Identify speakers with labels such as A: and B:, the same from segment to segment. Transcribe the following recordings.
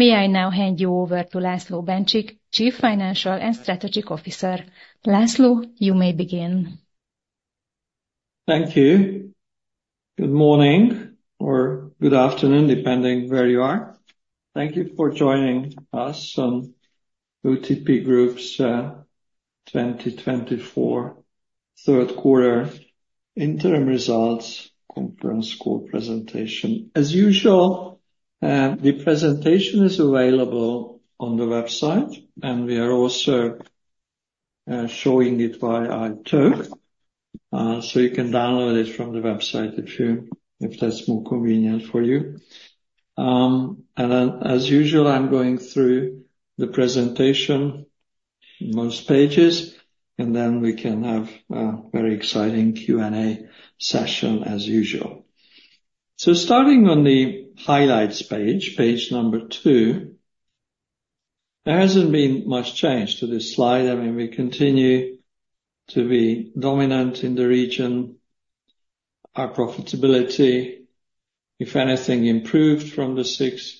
A: May I now hand you over to László Bencsik, Chief Financial and Strategic Officer? László, you may begin.
B: Thank you. Good morning, or good afternoon, depending on where you are. Thank you for joining us on OTP Group's 2024 Q3 Interim Results Conference Call Presentation. As usual, the presentation is available on the website, and we are also showing it via the web, so you can download it from the website if that's more convenient for you. And then, as usual, I'm going through the presentation, most pages, and then we can have a very exciting Q&A session as usual. So starting on the highlights page, page number two, there hasn't been much change to this slide. I mean, we continue to be dominant in the region. Our profitability, if anything, improved from the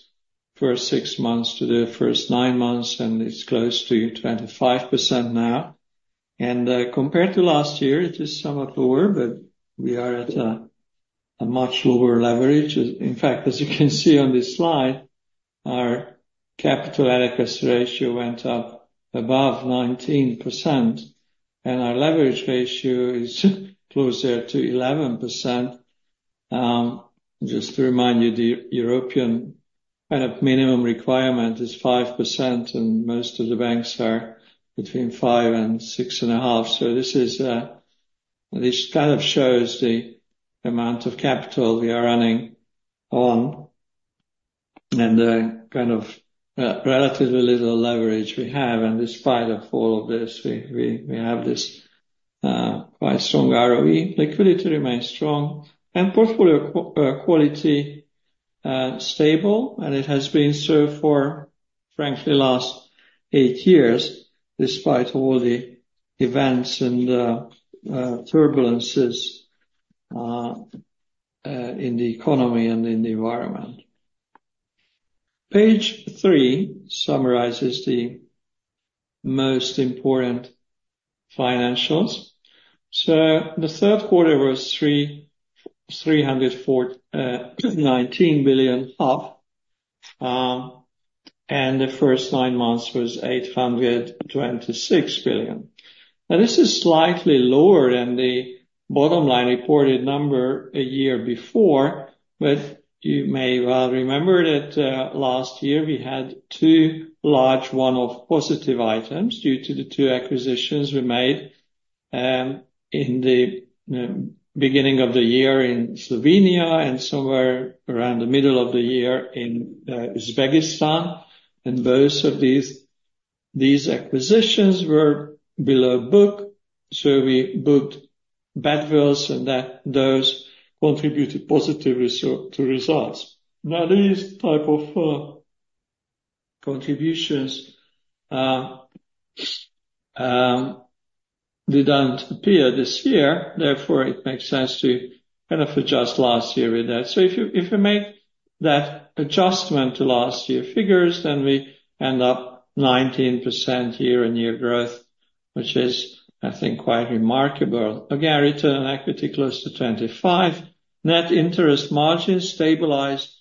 B: first six months to the first nine months, and it's close to 25% now, and compared to last year, it is somewhat lower, but we are at a much lower leverage. In fact, as you can see on this slide, our capital adequacy ratio went up above 19%, and our leverage ratio is closer to 11%. Just to remind you, the European kind of minimum requirement is 5%, and most of the banks are between 5% and 6.5%. So this kind of shows the amount of capital we are running on and the kind of relatively little leverage we have. And despite all of this, we have this quite strong ROE. Liquidity remains strong, and portfolio quality is stable, and it has been so for, frankly, the last eight years, despite all the events and turbulences in the economy and in the environment. Page three summarizes the most important financials. So the Q3 was 319 billion up, and the first nine months was 826 billion. Now, this is slightly lower than the bottom-line reported number a year before, but you may well remember that last year we had two large ones of positive items due to the two acquisitions we made in the beginning of the year in Slovenia and somewhere around the middle of the year in Uzbekistan. And both of these acquisitions were below book, so we booked badwill, and those contributed positively to results. Now, these types of contributions didn't appear this year. Therefore, it makes sense to kind of adjust last year with that. So if we make that adjustment to last year's figures, then we end up with 19% year-on-year growth, which is, I think, quite remarkable. Again, return on equity close to 25%. Net interest margin stabilized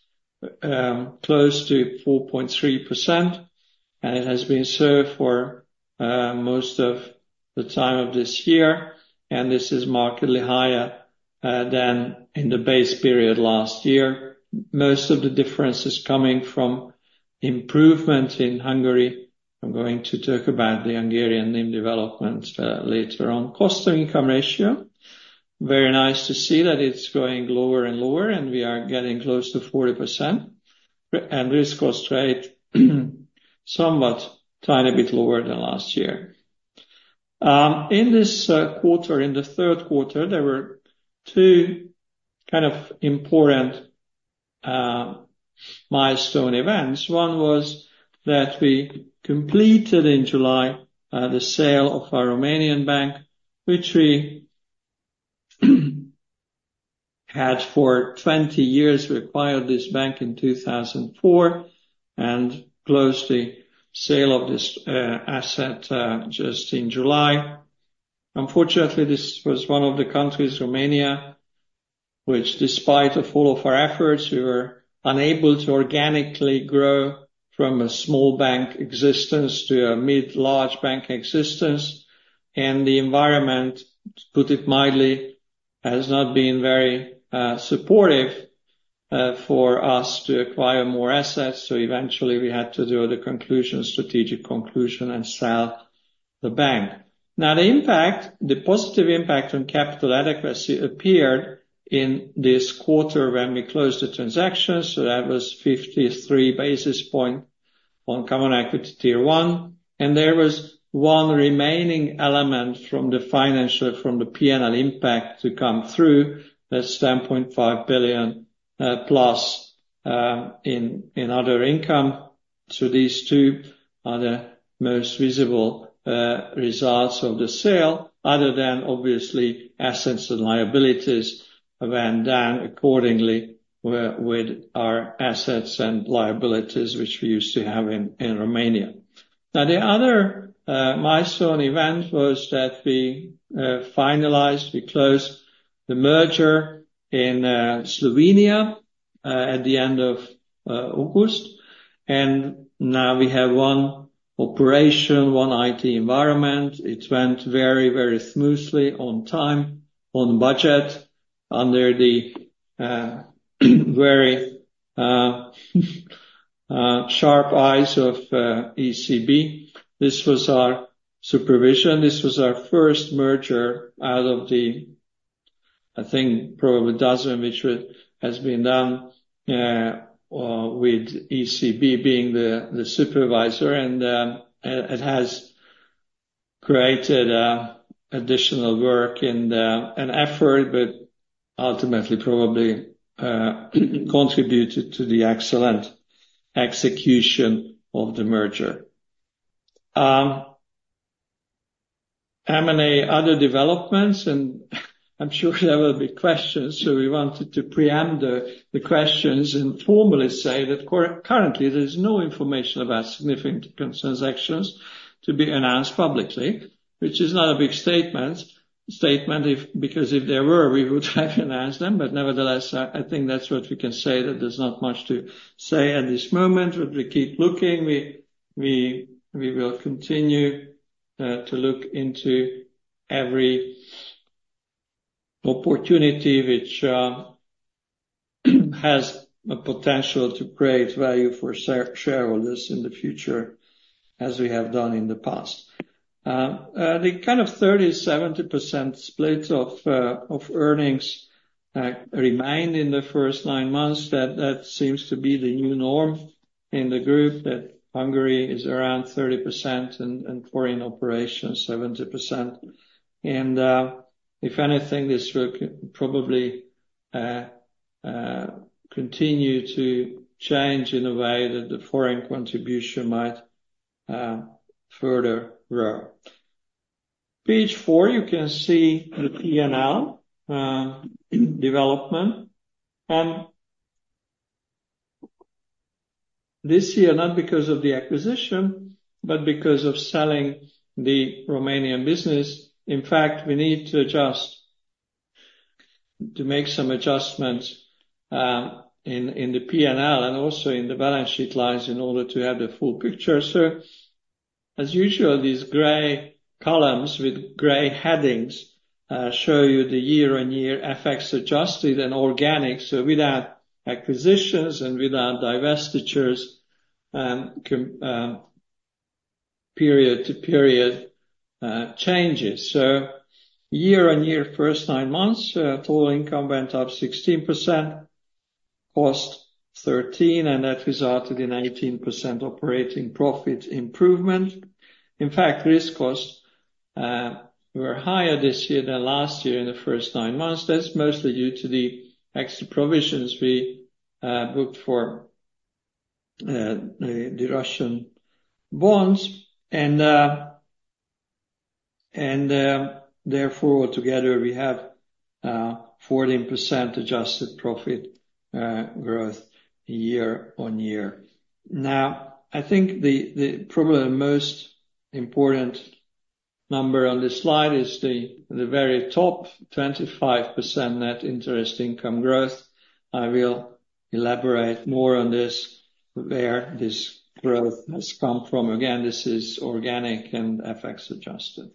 B: close to 4.3%, and it has been so for most of the time of this year, and this is markedly higher than in the base period last year. Most of the difference is coming from improvements in Hungary. I'm going to talk about the Hungarian development later on. Cost-to-income ratio, very nice to see that it's going lower and lower, and we are getting close to 40%. Risk-to-cost rate, somewhat a tiny bit lower than last year. In this quarter, in the Q3, there were two kind of important milestone events. One was that we completed in July the sale of our Romanian bank, which we had for 20 years, acquired this bank in 2004, and closed the sale of this asset just in July. Unfortunately, this was one of the countries, Romania, which, despite all of our efforts, we were unable to organically grow from a small bank existence to a mid-large bank existence. And the environment, to put it mildly, has not been very supportive for us to acquire more assets. So eventually, we had to draw the strategic conclusion and sell the bank. Now, the positive impact on capital adequacy appeared in this quarter when we closed the transactions. So that was 53 basis points on Common Equity Tier 1. And there was one remaining element from the financial, from the P&L impact to come through, that's 7.5 billion plus in other income. So these two are the most visible results of the sale, other than, obviously, assets and liabilities. And then, accordingly, with our assets and liabilities, which we used to have in Romania. Now, the other milestone event was that we finalized, we closed the merger in Slovenia at the end of August. And now we have one operation, one IT environment. It went very, very smoothly on time, on budget, under the very sharp eyes of ECB. This was our supervision. This was our first merger out of the, I think, probably a dozen which has been done with ECB being the supervisor. And it has created additional work and effort, but ultimately, probably contributed to the excellent execution of the merger. How many other developments? And I'm sure there will be questions, so we wanted to preempt the questions and formally say that currently, there's no information about significant transactions to be announced publicly, which is not a big statement, because if there were, we would have announced them. But nevertheless, I think that's what we can say, that there's not much to say at this moment. But we keep looking. We will continue to look into every opportunity which has a potential to create value for shareholders in the future, as we have done in the past. The kind of 30%-70% split of earnings remained in the first nine months. That seems to be the new norm in the group, that Hungary is around 30% and foreign operations 70%. And if anything, this will probably continue to change in a way that the foreign contribution might further grow. Page four, you can see the P&L development. And this year, not because of the acquisition, but because of selling the Romanian business. In fact, we need to adjust, to make some adjustments in the P&L and also in the balance sheet lines in order to have the full picture, so as usual, these gray columns with gray headings show you the year-on-year effects adjusted and organic, so without acquisitions and without divestitures, period-to-period changes. Year-on-year first nine months, total income went up 16%, costs 13%, and that resulted in 18% operating profit improvement. In fact, risk costs were higher this year than last year in the first nine months. That's mostly due to the extra provisions we booked for the Russian bonds, and therefore, altogether, we have 14% adjusted profit growth year-on-year. Now, I think probably the most important number on this slide is the very top 25% net interest income growth. I will elaborate more on this where this growth has come from. Again, this is organic and effects adjusted.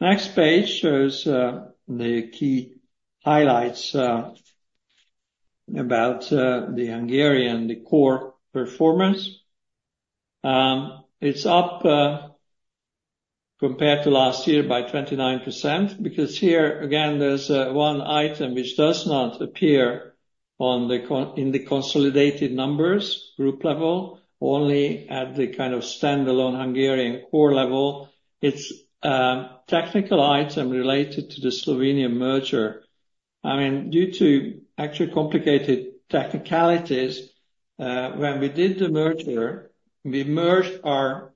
B: Next page shows the key highlights about the Hungarian core performance. It's up compared to last year by 29% because here, again, there's one item which does not appear in the consolidated numbers, group level, only at the kind of standalone Hungarian core level. It's a technical item related to the Slovenia merger. I mean, due to actually complicated technicalities, when we did the merger, we merged our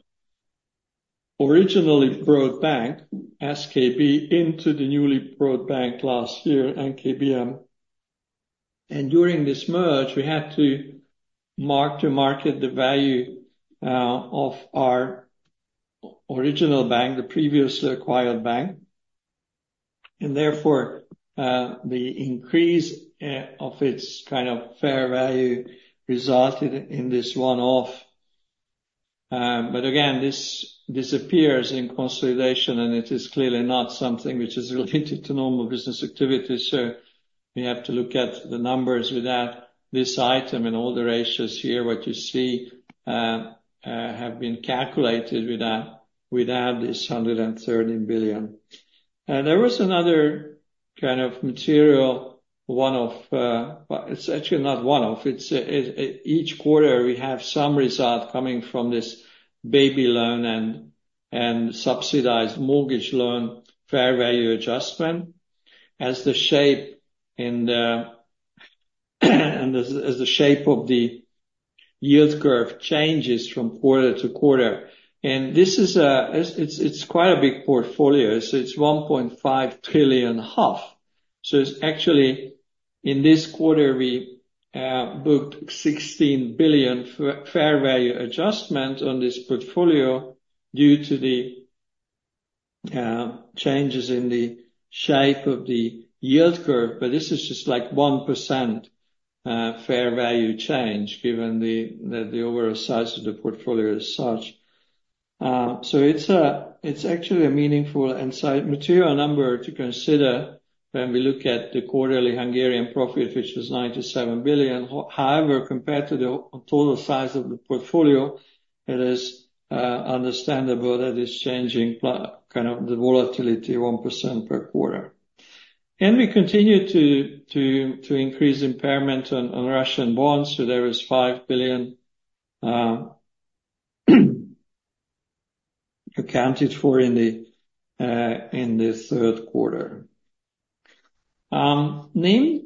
B: originally acquired bank, SKB, into the newly acquired bank last year, NKBM, and during this merge, we had to mark to market the value of our original bank, the previously acquired bank, and therefore, the increase of its kind of fair value resulted in this one-off, but again, this disappears in consolidation, and it is clearly not something which is related to normal business activity, so we have to look at the numbers with that. This item and all the ratios here, what you see, have been calculated without this 130 billion. There was another kind of material, one of it's actually not one of. Each quarter, we have some result coming from this baby loan and subsidized mortgage loan fair value adjustment, as the shape of the yield curve changes from quarter-to-quarter. This is quite a big portfolio. It's 1.5 trillion HUF. Actually, in this quarter, we booked 16 billion fair value adjustment on this portfolio due to the changes in the shape of the yield curve. This is just like 1% fair value change given the overall size of the portfolio as such. It's actually a meaningful and material number to consider when we look at the quarterly Hungarian profit, which was 97 billion. However, compared to the total size of the portfolio, it is understandable that it's changing kind of the volatility 1% per quarter. And we continue to increase impairment on Russian bonds. So there was 5 billion accounted for in the Q3.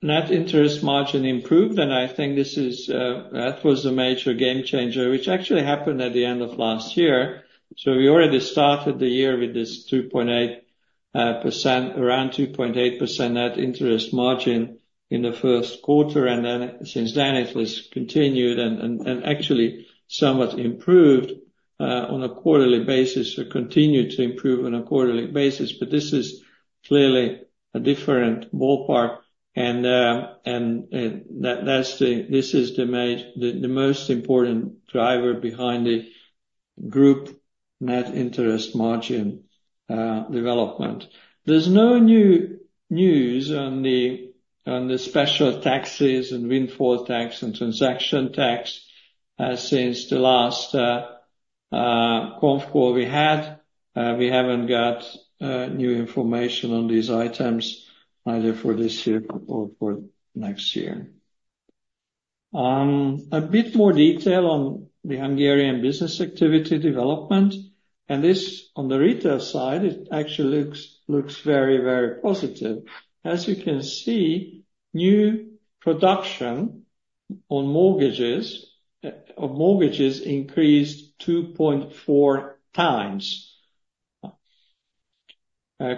B: Net interest margin improved, and I think that was a major game changer, which actually happened at the end of last year. So we already started the year with this 2.8%, around 2.8% net interest margin in the Q1. And then since then, it was continued and actually somewhat improved on a quarterly basis, so continued to improve on a quarterly basis. But this is clearly a different ballpark. And this is the most important driver behind the group net interest margin development. There's no new news on the special taxes and windfall tax and transaction tax since the last conference call we had. We haven't got new information on these items, either for this year or for next year. A bit more detail on the Hungarian business activity development, and this on the retail side, it actually looks very, very positive. As you can see, new production on mortgages increased 2.4 times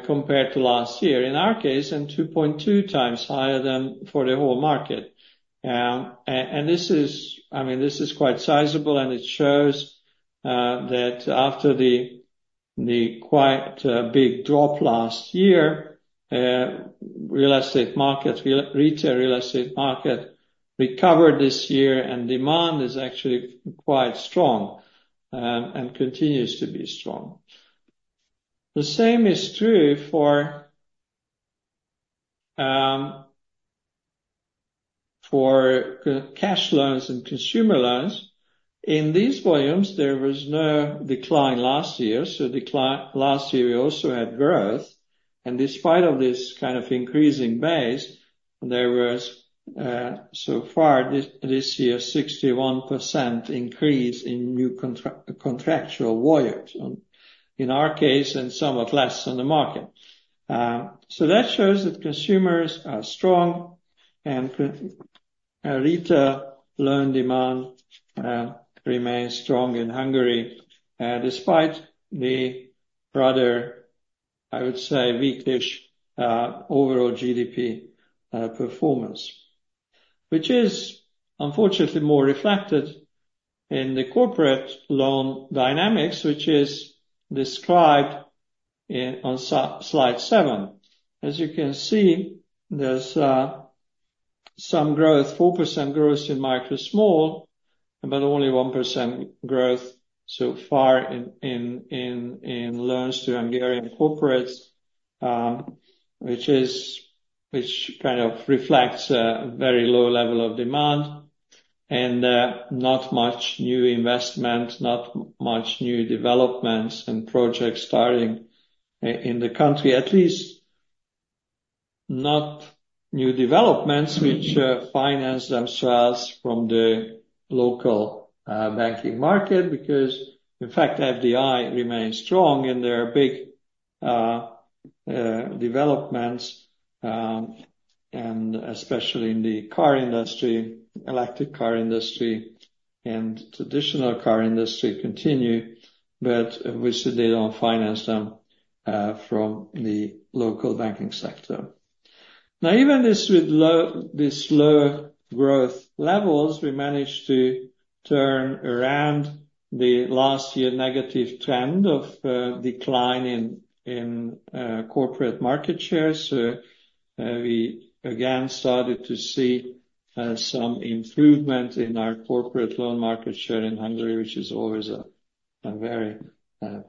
B: compared to last year in our case, and 2.2 times higher than for the whole market, and I mean, this is quite sizable, and it shows that after the quite big drop last year, real estate market, retail real estate market recovered this year, and demand is actually quite strong and continues to be strong. The same is true for cash loans and consumer loans. In these volumes, there was no decline last year, so last year, we also had growth, and despite this kind of increasing base, there was so far this year 61% increase in new contractual volumes. In our case, and somewhat less on the market. So that shows that consumers are strong, and retail loan demand remains strong in Hungary, despite the rather, I would say, weak-ish overall GDP performance, which is unfortunately more reflected in the corporate loan dynamics, which is described on slide seven. As you can see, there's some growth, 4% growth in micro small, but only 1% growth so far in loans to Hungarian corporates, which kind of reflects a very low level of demand and not much new investment, not much new developments and projects starting in the country, at least not new developments which finance themselves from the local banking market, because in fact, FDI remains strong and there are big developments, and especially in the car industry, electric car industry, and traditional car industry continue, but they don't finance them from the local banking sector. Now, even this low growth levels, we managed to turn around the last year negative trend of decline in corporate market shares. So we again started to see some improvement in our corporate loan market share in Hungary, which is always very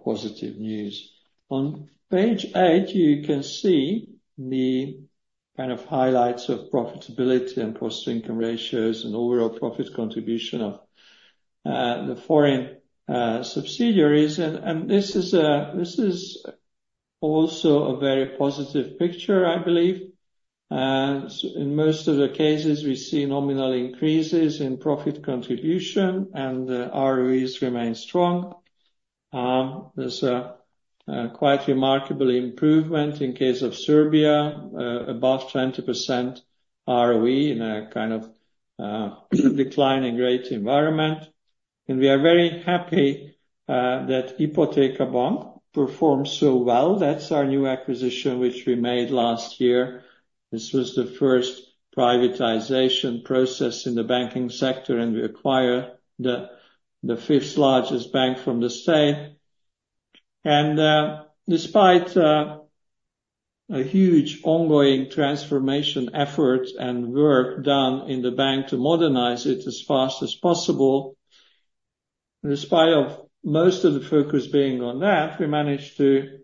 B: positive news. On page eight, you can see the kind of highlights of profitability and cost income ratios and overall profit contribution of the foreign subsidiaries. And this is also a very positive picture, I believe. In most of the cases, we see nominal increases in profit contribution, and ROEs remain strong. There's a quite remarkable improvement in case of Serbia, above 20% ROE in a kind of declining rate environment. And we are very happy that Ipoteka Bank performed so well. That's our new acquisition, which we made last year. This was the first privatization process in the banking sector, and we acquired the fifth largest bank from the state, and despite a huge ongoing transformation effort and work done in the bank to modernize it as fast as possible, despite most of the focus being on that, we managed to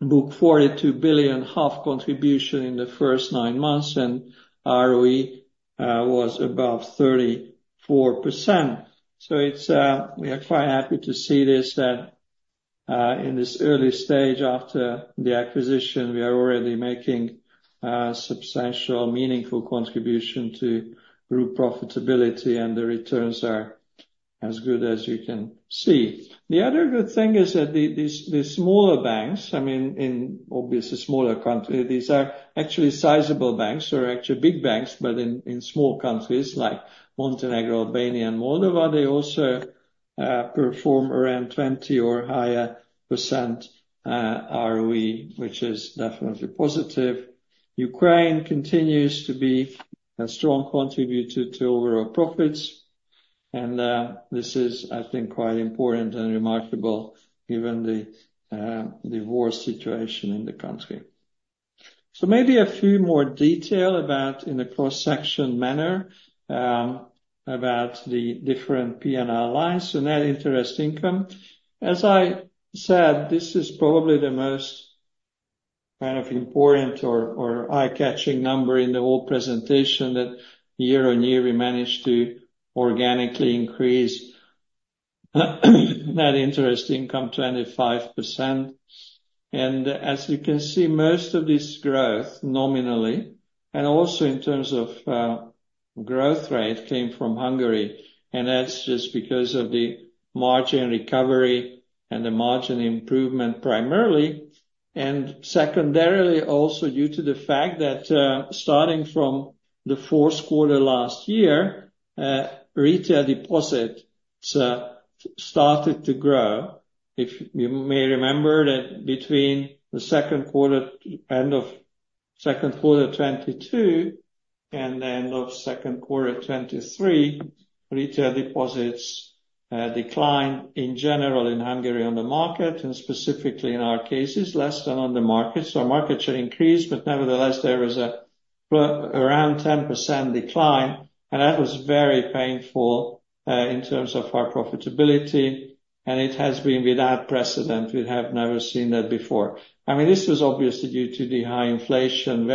B: book 42 billion HUF contribution in the first nine months, and ROE was above 34%, so we are quite happy to see this that in this early stage after the acquisition, we are already making substantial, meaningful contribution to group profitability, and the returns are as good as you can see. The other good thing is that the smaller banks, I mean, in obviously smaller countries, these are actually sizable banks, so they're actually big banks, but in small countries like Montenegro, Albania, and Moldova, they also perform around 20% or higher ROE, which is definitely positive. Ukraine continues to be a strong contributor to overall profits, and this is, I think, quite important and remarkable given the war situation in the country, so maybe a few more details about in a cross-section manner about the different P&L lines and net interest income. As I said, this is probably the most kind of important or eye-catching number in the whole presentation that year-on-year we managed to organically increase net interest income 25%, and as you can see, most of this growth nominally and also in terms of growth rate came from Hungary, and that's just because of the margin recovery and the margin improvement primarily, and secondarily, also due to the fact that starting from the Q4 last year, retail deposits started to grow. If you may remember that between the Q2 end of Q2 2022 and the end of Q2 2023, retail deposits declined in general in Hungary on the market, and specifically in our cases, less than on the market, so our markets should increase, but nevertheless, there was around 10% decline, and that was very painful in terms of our profitability, and it has been without precedent. We have never seen that before. I mean, this was obviously due to the high inflation,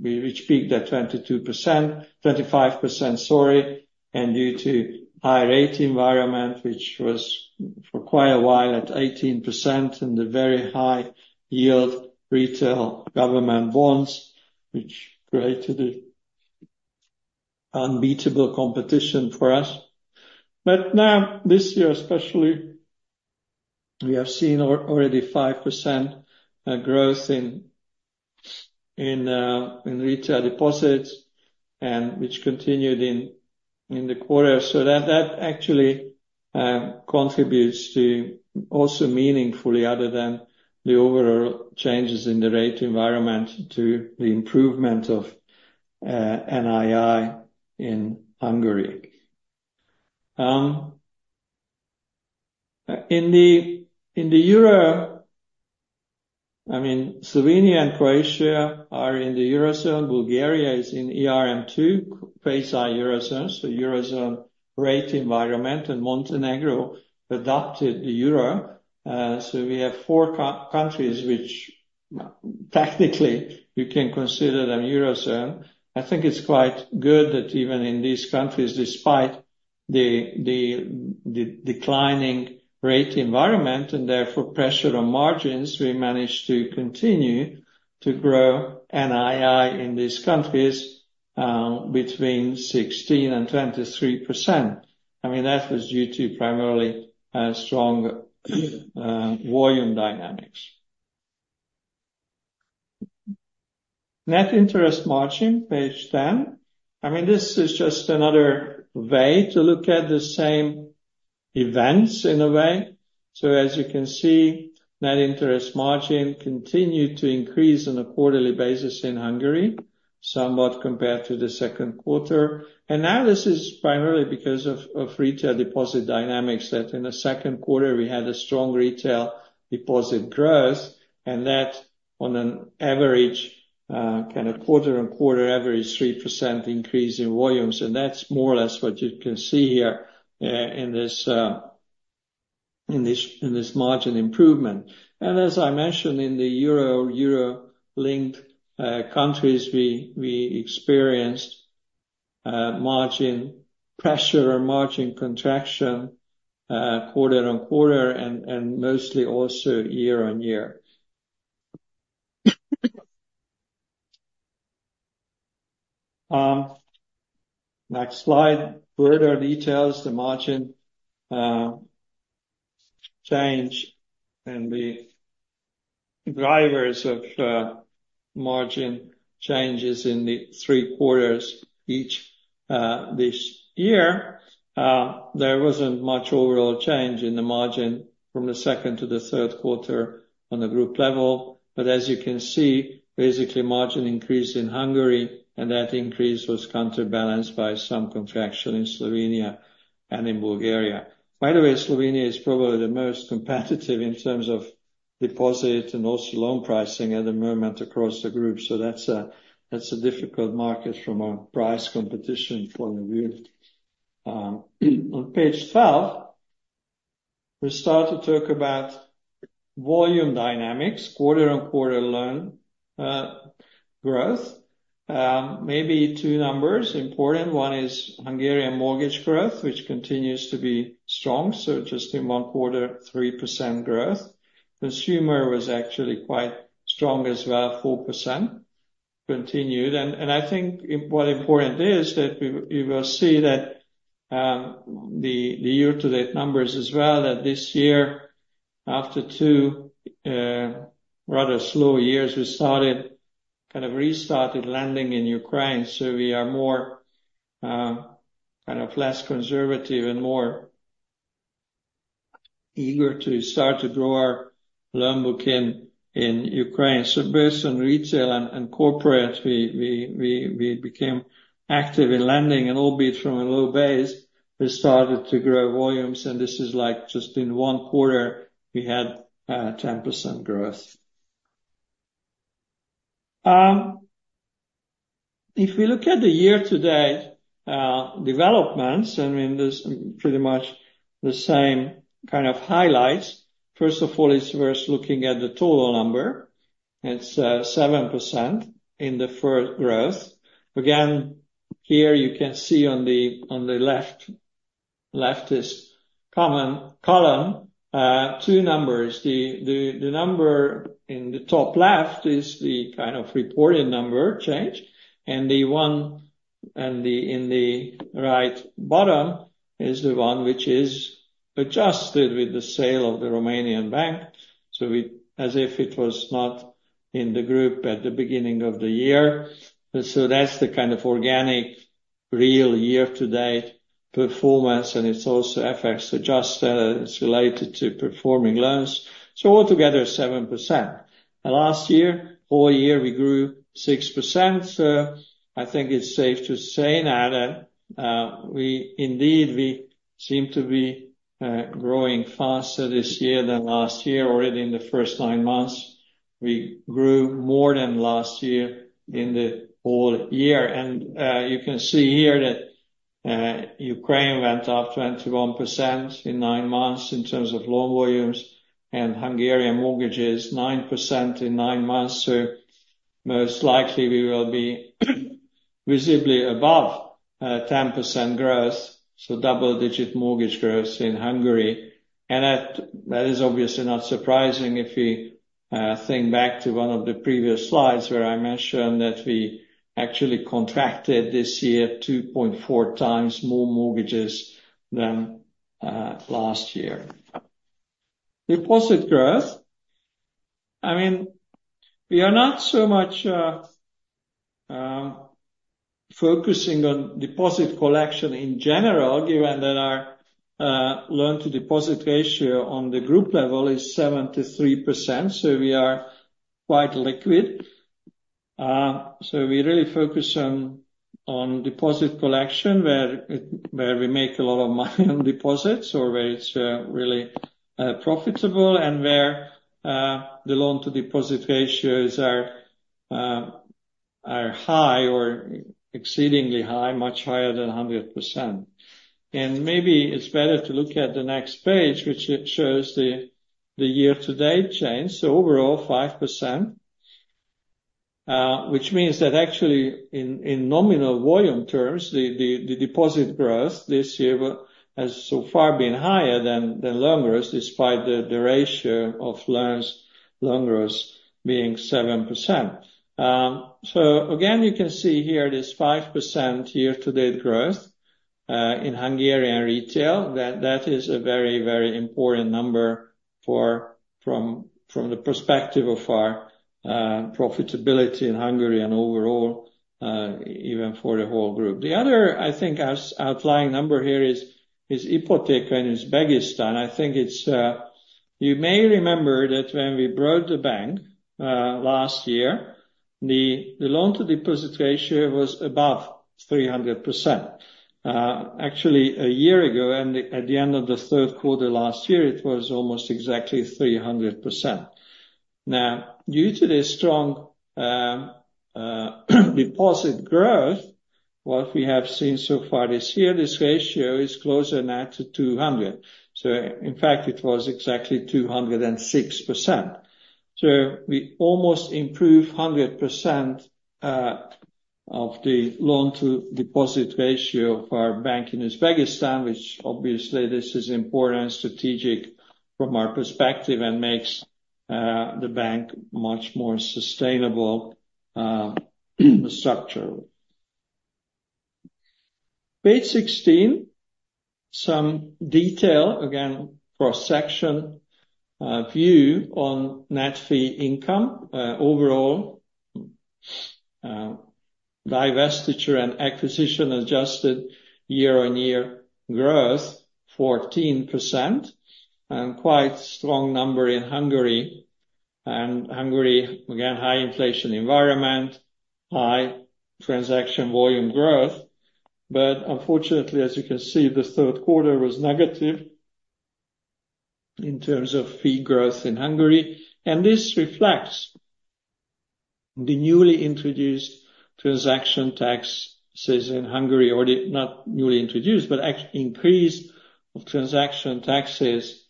B: which peaked at 22%, 25%, sorry, and due to high rate environment, which was for quite a while at 18% and the very high yield retail government bonds, which created an unbeatable competition for us, but now, this year especially, we have seen already 5% growth in retail deposits, which continued in the quarter. So that actually contributes to also meaningfully, other than the overall changes in the rate environment, to the improvement of NII in Hungary. In the euro, I mean, Slovenia and Croatia are in the eurozone. Bulgaria is in ERM II, quasi eurozone. So eurozone rate environment, and Montenegro adopted the euro. So we have four countries which technically you can consider them eurozone. I think it's quite good that even in these countries, despite the declining rate environment and therefore pressure on margins, we managed to continue to grow NII in these countries between 16% and 23%. I mean, that was due to primarily strong volume dynamics. Net interest margin, page 10. I mean, this is just another way to look at the same events in a way. So as you can see, net interest margin continued to increase on a quarterly basis in Hungary, somewhat compared to the Q2. Now this is primarily because of retail deposit dynamics that in the Q2, we had a strong retail deposit growth, and that on an average kind of quarter-on-quarter average, 3% increase in volumes. That's more or less what you can see here in this margin improvement. As I mentioned, in the euro-linked countries, we experienced margin pressure or margin contraction quarter-on-quarter and mostly also year-on-year. Next slide. Further details, the margin change and the drivers of margin changes in the Q3 each this year. There wasn't much overall change in the margin from the second to the Q3 on the group level. As you can see, basically margin increased in Hungary, and that increase was counterbalanced by some contraction in Slovenia and in Bulgaria. By the way, Slovenia is probably the most competitive in terms of deposit and also loan pricing at the moment across the group, so that's a difficult market from a price competition point of view. On page 12, we start to talk about volume dynamics, quarter-on-quarter loan growth. Maybe two numbers important. One is Hungarian mortgage growth, which continues to be strong, so just in one quarter, 3% growth. Consumer was actually quite strong as well, 4%, continued, and I think what important is that you will see that the year-to-date numbers as well, that this year, after two rather slow years, we started kind of restarted lending in Ukraine, so we are more kind of less conservative and more eager to start to draw our loan book in Ukraine. Based on retail and corporate, we became active in lending, and albeit from a low base, we started to grow volumes. And this is like just in Q1, we had 10% growth. If we look at the year-to-date developments, I mean, there's pretty much the same kind of highlights. First of all, it's worth looking at the total number. It's 7% in the first growth. Again, here you can see on the leftmost column, two numbers. The number in the top left is the kind of reported number change. And the one in the right bottom is the one which is adjusted with the sale of the Romanian bank, so as if it was not in the group at the beginning of the year. That's the kind of organic real year-to-date performance, and it's also FX adjusted. It's related to performing loans. Altogether, 7%. Last year, whole year, we grew 6%. So I think it's safe to say now that indeed we seem to be growing faster this year than last year. Already in the first nine months, we grew more than last year in the whole year. And you can see here that Ukraine went up 21% in nine months in terms of loan volumes, and Hungarian mortgages, 9% in nine months. So most likely we will be visibly above 10% growth, so double-digit mortgage growth in Hungary. And that is obviously not surprising if we think back to one of the previous slides where I mentioned that we actually contracted this year 2.4 times more mortgages than last year. Deposit growth. I mean, we are not so much focusing on deposit collection in general, given that our loan-to-deposit ratio on the group level is 73%. So we are quite liquid. We really focus on deposit collection, where we make a lot of money on deposits or where it's really profitable and where the loan-to-deposit ratios are high or exceedingly high, much higher than 100%. Maybe it's better to look at the next page, which shows the year-to-date change. Overall, 5%, which means that actually in nominal volume terms, the deposit growth this year has so far been higher than loan growth, despite the ratio of loan growth being 7%. Again, you can see here this 5% year-to-date growth in Hungarian retail. That is a very, very important number from the perspective of our profitability in Hungary and overall, even for the whole group. The other, I think, outlying number here is Ipoteka in Uzbekistan. I think you may remember that when we brought the bank last year, the loan-to-deposit ratio was above 300%. Actually, a year ago, and at the end of the Q3 last year, it was almost exactly 300%. Now, due to this strong deposit growth, what we have seen so far this year, this ratio is closer now to 200%. So in fact, it was exactly 206%. So we almost improved 100% of the loan-to-deposit ratio for our bank in Uzbekistan, which obviously this is important strategic from our perspective and makes the bank much more sustainable structurally. Page 16, some detail, again, cross-section view on net fee income. Overall, divestiture and acquisition adjusted year-on-year growth, 14%. Quite strong number in Hungary. And Hungary, again, high inflation environment, high transaction volume growth. But unfortunately, as you can see, the Q3 was negative in terms of fee growth in Hungary. This reflects the newly introduced transaction taxes in Hungary, or not newly introduced, but increase of transaction taxes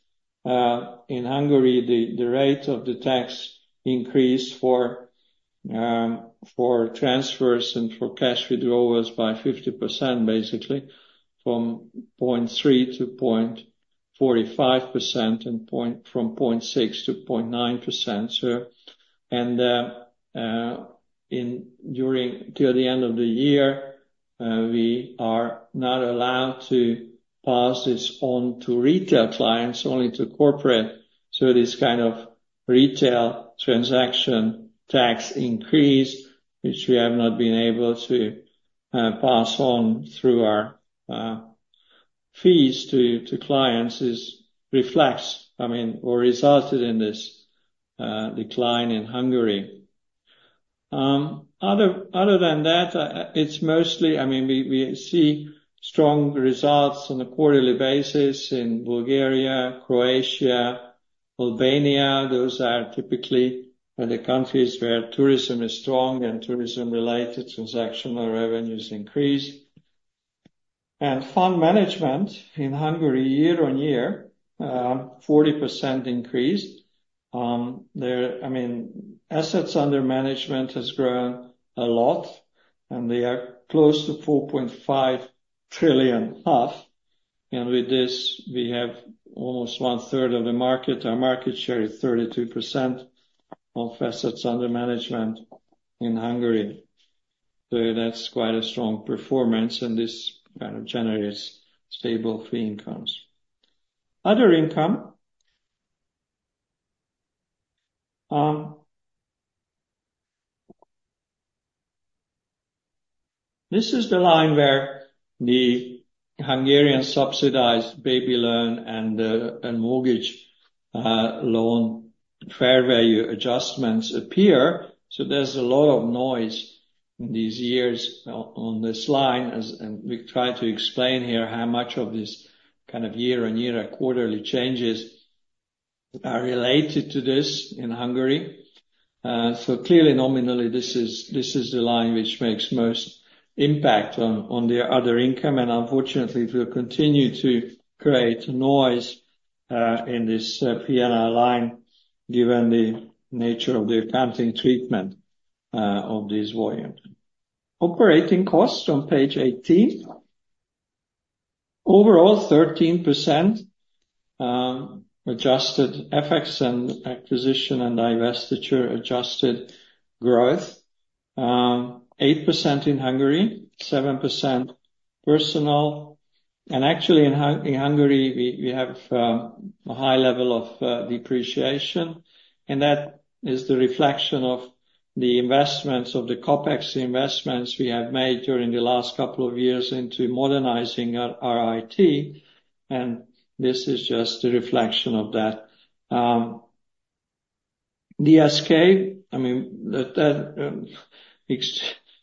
B: in Hungary. The rate of the tax increased for transfers and for cash withdrawals by 50%, basically, from 0.3% to 0.45% and from 0.6% to 0.9%. So during till the end of the year, we are not allowed to pass this on to retail clients, only to corporate. So this kind of retail transaction tax increase, which we have not been able to pass on through our fees to clients, reflects, I mean, or resulted in this decline in Hungary. Other than that, it's mostly, I mean, we see strong results on a quarterly basis in Bulgaria, Croatia, Albania. Those are typically the countries where tourism is strong and tourism-related transactional revenues increase. Fund management in Hungary, year-on-year, 40% increased. I mean, assets under management has grown a lot, and they are close to 4.5 trillion, and with this, we have almost one-third of the market. Our market share is 32% of assets under management in Hungary, so that's quite a strong performance, and this kind of generates stable fee incomes. Other income. This is the line where the Hungarian subsidized baby loan and mortgage loan fair value adjustments appear, so there's a lot of noise in these years on this line, and we try to explain here how much of this kind of year-on-year or quarterly changes are related to this in Hungary, so clearly, nominally, this is the line which makes most impact on their other income, and unfortunately, it will continue to create noise in this P&L line, given the nature of the accounting treatment of these volumes. Operating costs on page 18. Overall, 13% adjusted FX and acquisition and divestiture adjusted growth. 8% in Hungary, 7% personal. Actually, in Hungary, we have a high level of depreciation. That is the reflection of the investments of the CapEx investments we have made during the last couple of years into modernizing our IT. This is just the reflection of that. DSK, I mean,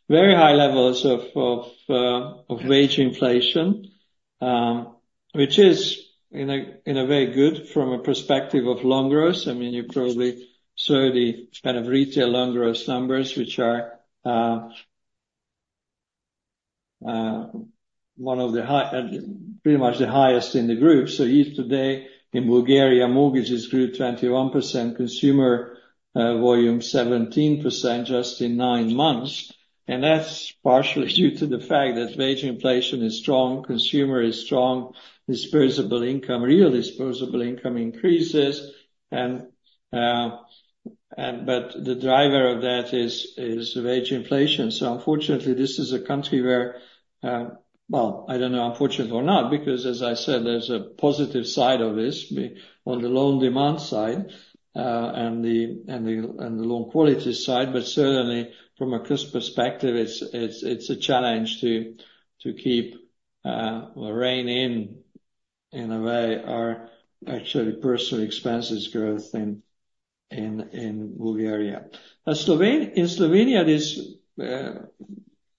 B: very high levels of wage inflation, which is in a very good from a perspective of loan growth. I mean, you probably saw the kind of retail loan growth numbers, which are one of the pretty much the highest in the group. So yesterday, in Bulgaria, mortgages grew 21%, consumer volume 17% just in nine months. That's partially due to the fact that wage inflation is strong, consumer is strong, disposable income, real disposable income increases. But the driver of that is wage inflation. Unfortunately, this is a country where, well, I don't know, unfortunately or not, because as I said, there's a positive side of this on the loan demand side and the loan quality side. But certainly, from a cost perspective, it's a challenge to keep or rein in, in a way, our actually personnel expenses growth in Bulgaria. In Slovenia, this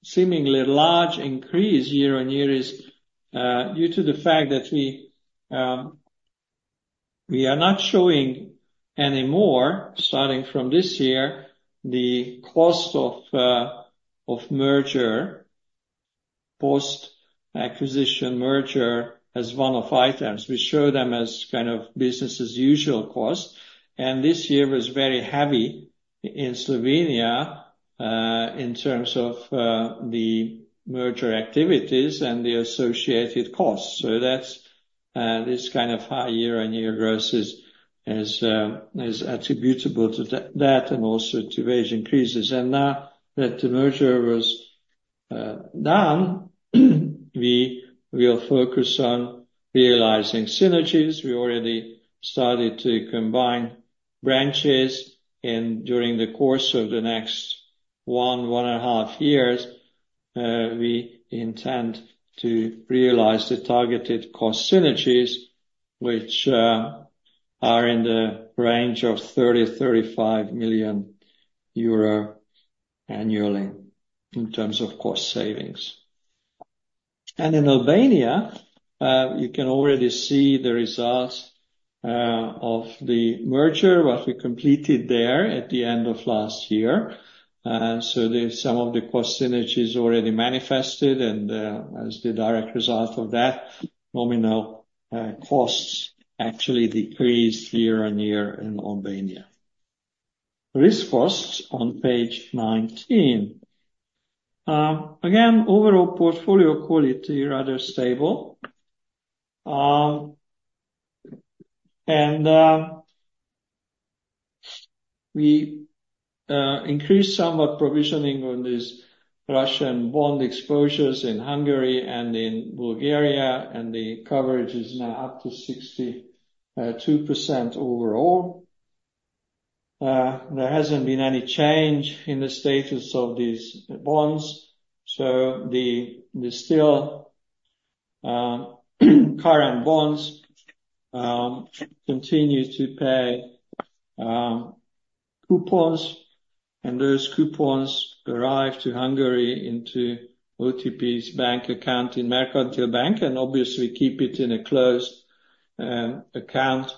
B: seemingly large increase year-on-year is due to the fact that we are not showing anymore, starting from this year, the cost of merger, post-acquisition merger as one-off items. We show them as kind of business-as-usual cost. And this year was very heavy in Slovenia in terms of the merger activities and the associated costs. So this kind of high year-on-year growth is attributable to that and also to wage increases. And now that the merger was done, we will focus on realizing synergies. We already started to combine branches. During the course of the next one and a half years, we intend to realize the targeted cost synergies, which are in the range of 30-35 million euro annually in terms of cost savings. In Albania, you can already see the results of the merger, what we completed there at the end of last year. Some of the cost synergies already manifested. As the direct result of that, nominal costs actually decreased year-on-year in Albania. Risk costs on page 19. Again, overall portfolio quality rather stable. We increased somewhat provisioning on these Russian bond exposures in Hungary and in Bulgaria. The coverage is now up to 62% overall. There hasn't been any change in the status of these bonds. The still current bonds continue to pay coupons. Those coupons arrive to Hungary into OTP's bank account in Merkantil Bank. And obviously, we keep it in a closed account.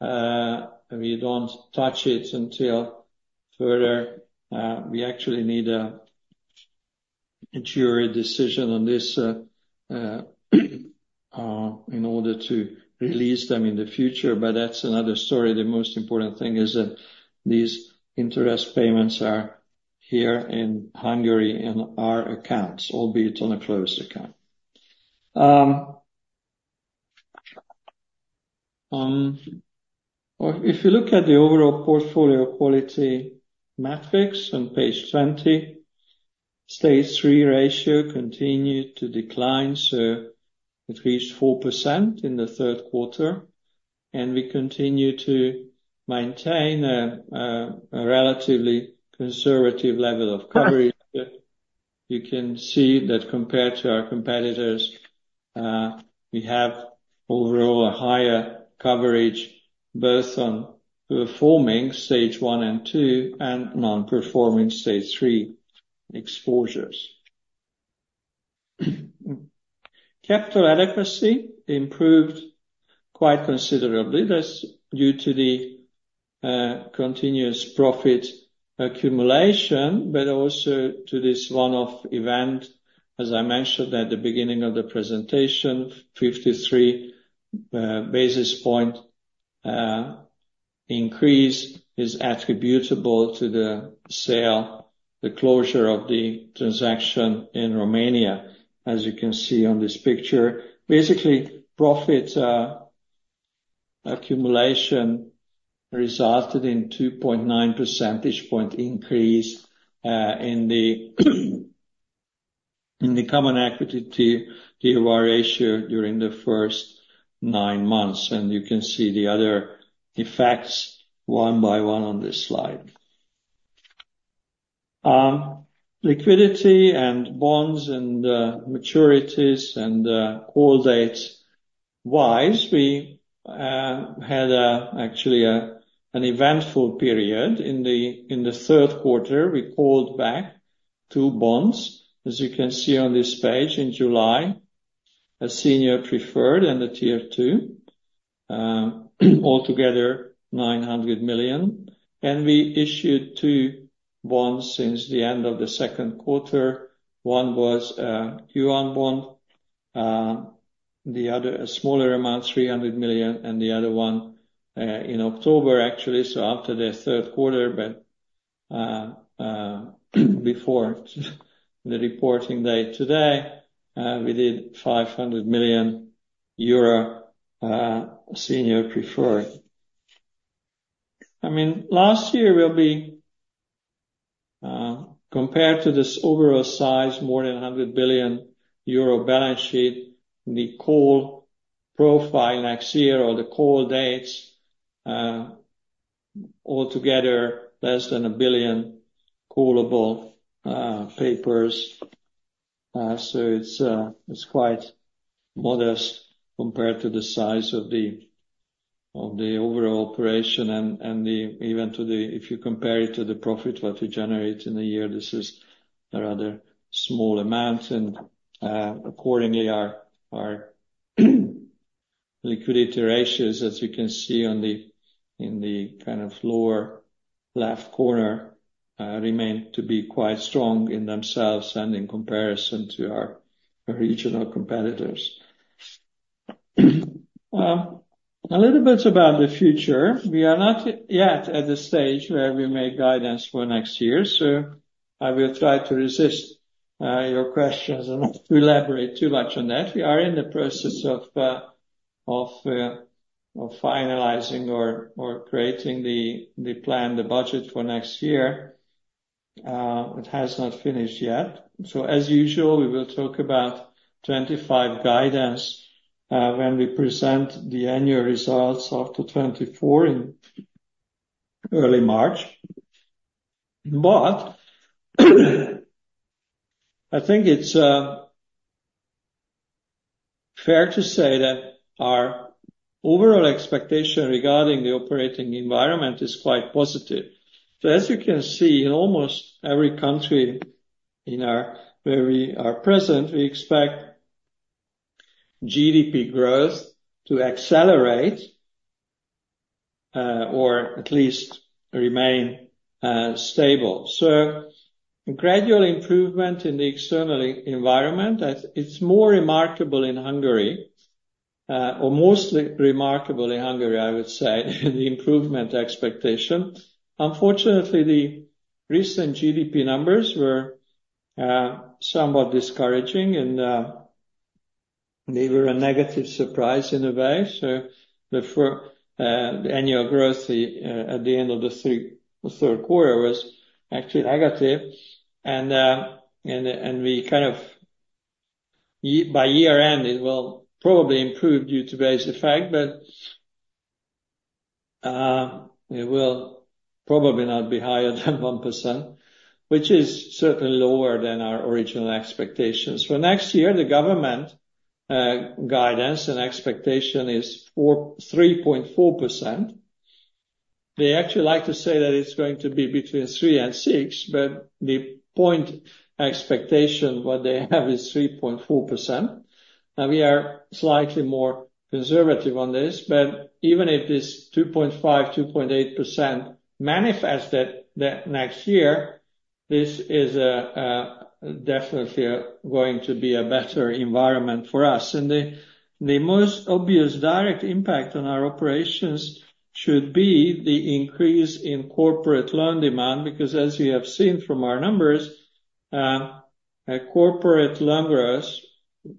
B: We don't touch it until further. We actually need a jury decision on this in order to release them in the future. But that's another story. The most important thing is that these interest payments are here in Hungary in our accounts, albeit on a closed account. If you look at the overall portfolio quality metrics on page 20, stage 3 ratio continued to decline. So it reached 4% in the Q3 And we continue to maintain a relatively conservative level of coverage. You can see that compared to our competitors, we have overall a higher coverage both on performing stage 1 and 2 and non-performing stage 3 exposures. Capital adequacy improved quite considerably. That's due to the continuous profit accumulation, but also to this one-off event, as I mentioned at the beginning of the presentation. 53 basis point increase is attributable to the closure of the transaction in Romania, as you can see on this picture. Basically, profit accumulation resulted in 2.9 percentage point increase in the common equity Tier 1 ratio during the first nine months. You can see the other effects one by one on this slide. Liquidity and bonds and maturities and call dates wise, we had actually an eventful period in the Q3. We called back two bonds, as you can see on this page, in July, a senior preferred and a Tier 2, altogether 900 million. We issued two bonds since the end of the Q2. One was a Yuan bond, the other a smaller amount, 300 million, and the other one in October, actually, so after the Q3, but before the reporting date today, we did 500 million euro senior preferred. I mean, last year, we'll be compared to this overall size, more than 100 billion euro balance sheet, the call profile next year, or the call dates, altogether less than 1 billion callable papers, so it's quite modest compared to the size of the overall operation, and even if you compare it to the profit what we generate in a year, this is a rather small amount, and accordingly, our liquidity ratios, as you can see in the kind of lower left corner, remain to be quite strong in themselves and in comparison to our regional competitors. A little bit about the future. We are not yet at the stage where we make guidance for next year. So I will try to resist your questions and not to elaborate too much on that. We are in the process of finalizing or creating the plan, the budget for next year. It has not finished yet. So as usual, we will talk about 2025 guidance when we present the annual results of the 2024 in early March. But I think it's fair to say that our overall expectation regarding the operating environment is quite positive. So as you can see, in almost every country where we are present, we expect GDP growth to accelerate or at least remain stable. So gradual improvement in the external environment, it's more remarkable in Hungary, or mostly remarkable in Hungary, I would say, the improvement expectation. Unfortunately, the recent GDP numbers were somewhat discouraging, and they were a negative surprise in a way. So the annual growth at the end of the Q3 was actually negative. And we kind of by year-end, it will probably improve due to base effect, but it will probably not be higher than 1%, which is certainly lower than our original expectations. For next year, the government guidance and expectation is 3.4%. They actually like to say that it's going to be between 3 and 6, but the point expectation what they have is 3.4%. Now, we are slightly more conservative on this. But even if this 2.5-2.8% manifested next year, this is definitely going to be a better environment for us. And the most obvious direct impact on our operations should be the increase in corporate loan demand, because as you have seen from our numbers, corporate loan growth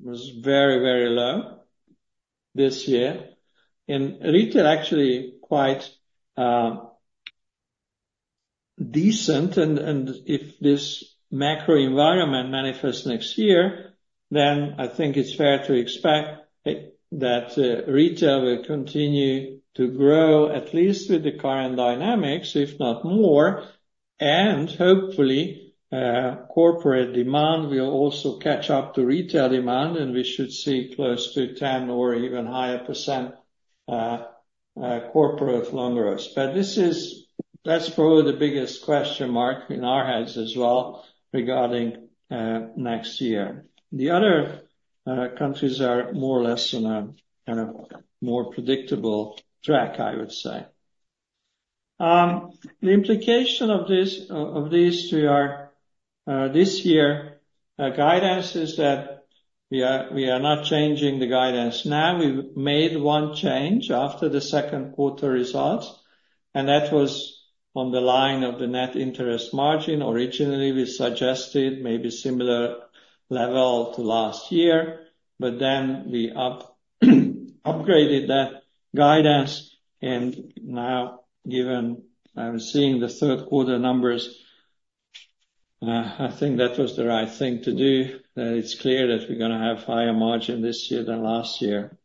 B: was very, very low this year. And retail actually quite decent. And if this macro environment manifests next year, then I think it's fair to expect that retail will continue to grow, at least with the current dynamics, if not more. And hopefully, corporate demand will also catch up to retail demand. And we should see close to 10% or even higher corporate loan growth. But that's probably the biggest question mark in our heads as well regarding next year. The other countries are more or less on a more predictable track, I would say. The implication of these two are this year guidance is that we are not changing the guidance now. We made one change after the Q2 results, and that was on the line of the net interest margin. Originally, we suggested maybe similar level to last year, but then we upgraded that guidance, and now, given I'm seeing the Q3 numbers, I think that was the right thing to do. It's clear that we're going to have higher margin this year than last year.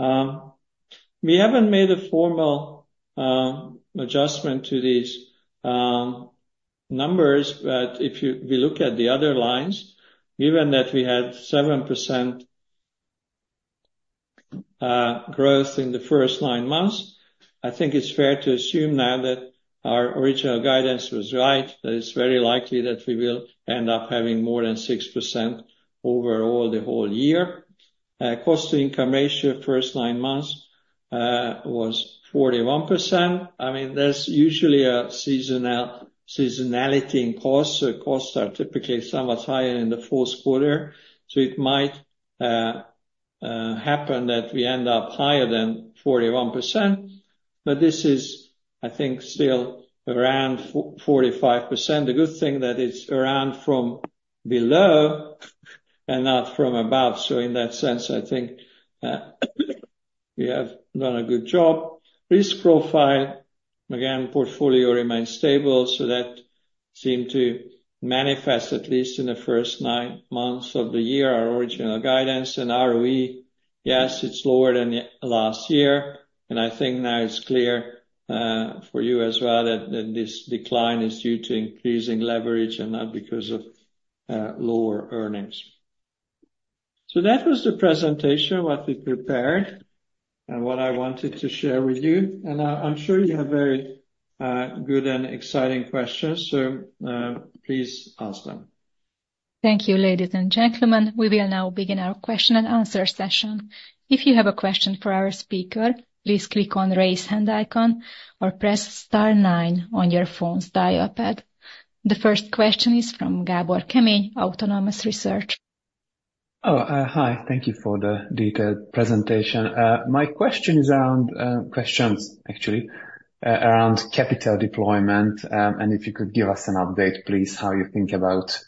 B: We haven't made a formal adjustment to these numbers, but if we look at the other lines, given that we had 7% growth in the first nine months, I think it's fair to assume now that our original guidance was right, that it's very likely that we will end up having more than 6% overall the whole year. Cost-to-income ratio first nine months was 41%. I mean, there's usually a seasonality in costs, so costs are typically somewhat higher in the Q4. So it might happen that we end up higher than 41%. But this is, I think, still around 45%. The good thing that it's around from below and not from above. So in that sense, I think we have done a good job. Risk profile, again, portfolio remains stable. So that seemed to manifest, at least in the first nine months of the year, our original guidance. And ROE, yes, it's lower than last year. And I think now it's clear for you as well that this decline is due to increasing leverage and not because of lower earnings. So that was the presentation what we prepared and what I wanted to share with you. And I'm sure you have very good and exciting questions. So please ask them. Thank you, ladies and gentlemen. We will now begin our question and answer session.
A: If you have a question for our speaker, please click on the raise hand icon or press star 9 on your phone's dial pad. The first question is from Gábor Kemény, Autonomous Research.
C: Oh, hi. Thank you for the detailed presentation. My question is around questions, actually, around capital deployment. And if you could give us an update, please, how you think about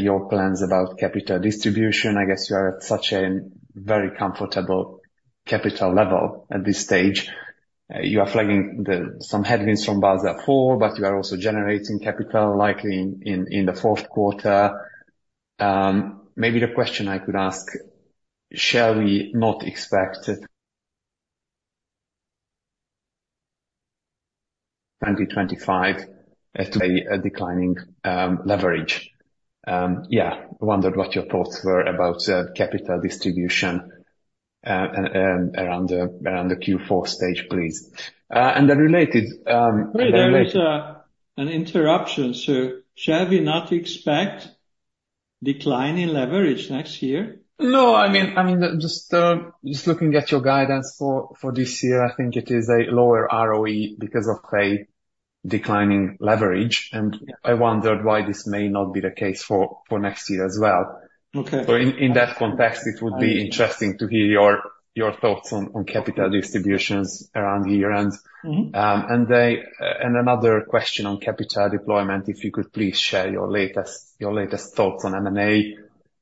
C: your plans about capital distribution. I guess you are at such a very comfortable capital level at this stage. You are flagging some headwinds from Basel IV, but you are also generating capital likely in the Q4. Maybe the question I could ask, shall we not expect 2025 to a declining leverage? Yeah, I wondered what your thoughts were about capital distribution around the Q4 stage, please.
D: And the related. Wait, there is an interruption. So shall we not expect declining leverage next year?
B: No, I mean, just looking at your guidance for this year, I think it is a lower ROE because of a declining leverage, and I wondered why this may not be the case for next year as well, so in that context, it would be interesting to hear your thoughts on capital distributions around year, and another question on capital deployment, if you could please share your latest thoughts on M&A.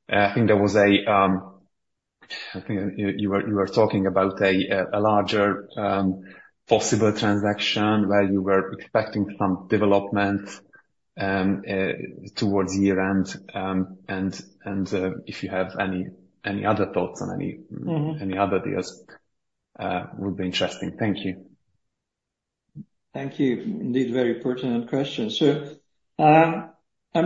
B: I think there was a you were talking about a larger possible transaction where you were expecting some development towards year-end, and if you have any other thoughts on any other deals, it would be interesting. Thank you.
C: Thank you. Indeed, very pertinent question, so I'm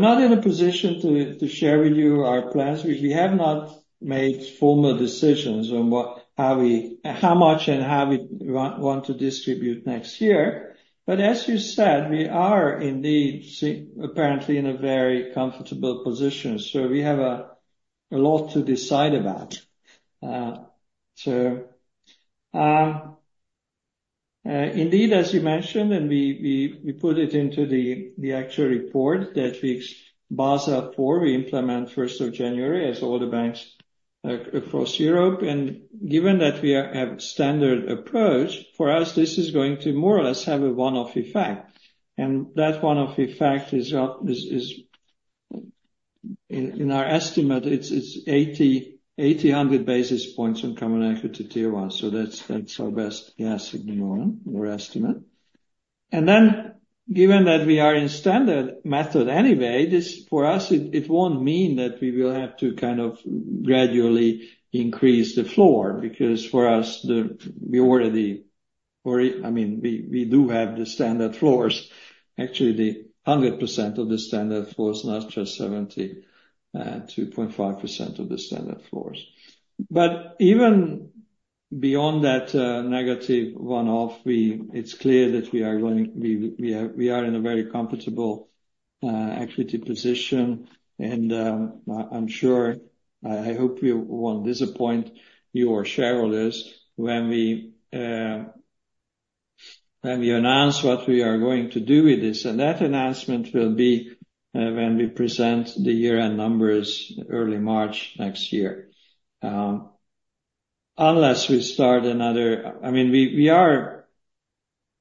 C: not in a position to share with you our plans. We have not made formal decisions on how much and how we want to distribute next year. But as you said, we are indeed apparently in a very comfortable position. So we have a lot to decide about.
B: So indeed, as you mentioned, and we put it into the actual report that we Basel IV, we implement 1st of January as all the banks across Europe. And given that we have a standard approach, for us, this is going to more or less have a one-off effect. And that one-off effect is, in our estimate, it's 800 basis points on Common Equity Tier 1. So that's our best guess at the moment, our estimate. And then given that we are in standard method anyway, for us, it won't mean that we will have to kind of gradually increase the floor because for us, we already I mean, we do have the standard floors. Actually, the 100% of the standard floors, not just 70%, 2.5% of the standard floors, but even beyond that negative one-off, it's clear that we are in a very comfortable equity position. And I'm sure I hope we won't disappoint you or shareholders when we announce what we are going to do with this. And that announcement will be when we present the year-end numbers early March next year. Unless we start another, I mean, we are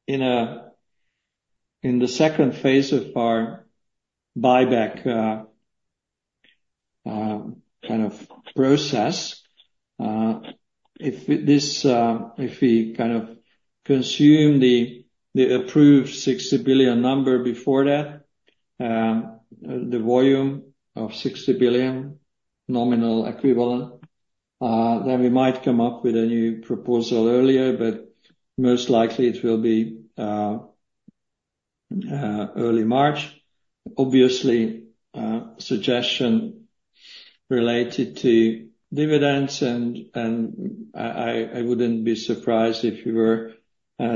B: in the second phase of our buyback kind of process. If we kind of consume the approved 60 billion number before that, the volume of 60 billion nominal equivalent, then we might come up with a new proposal earlier, but most likely it will be early March. Obviously, suggestion related to dividends. And I wouldn't be surprised if you were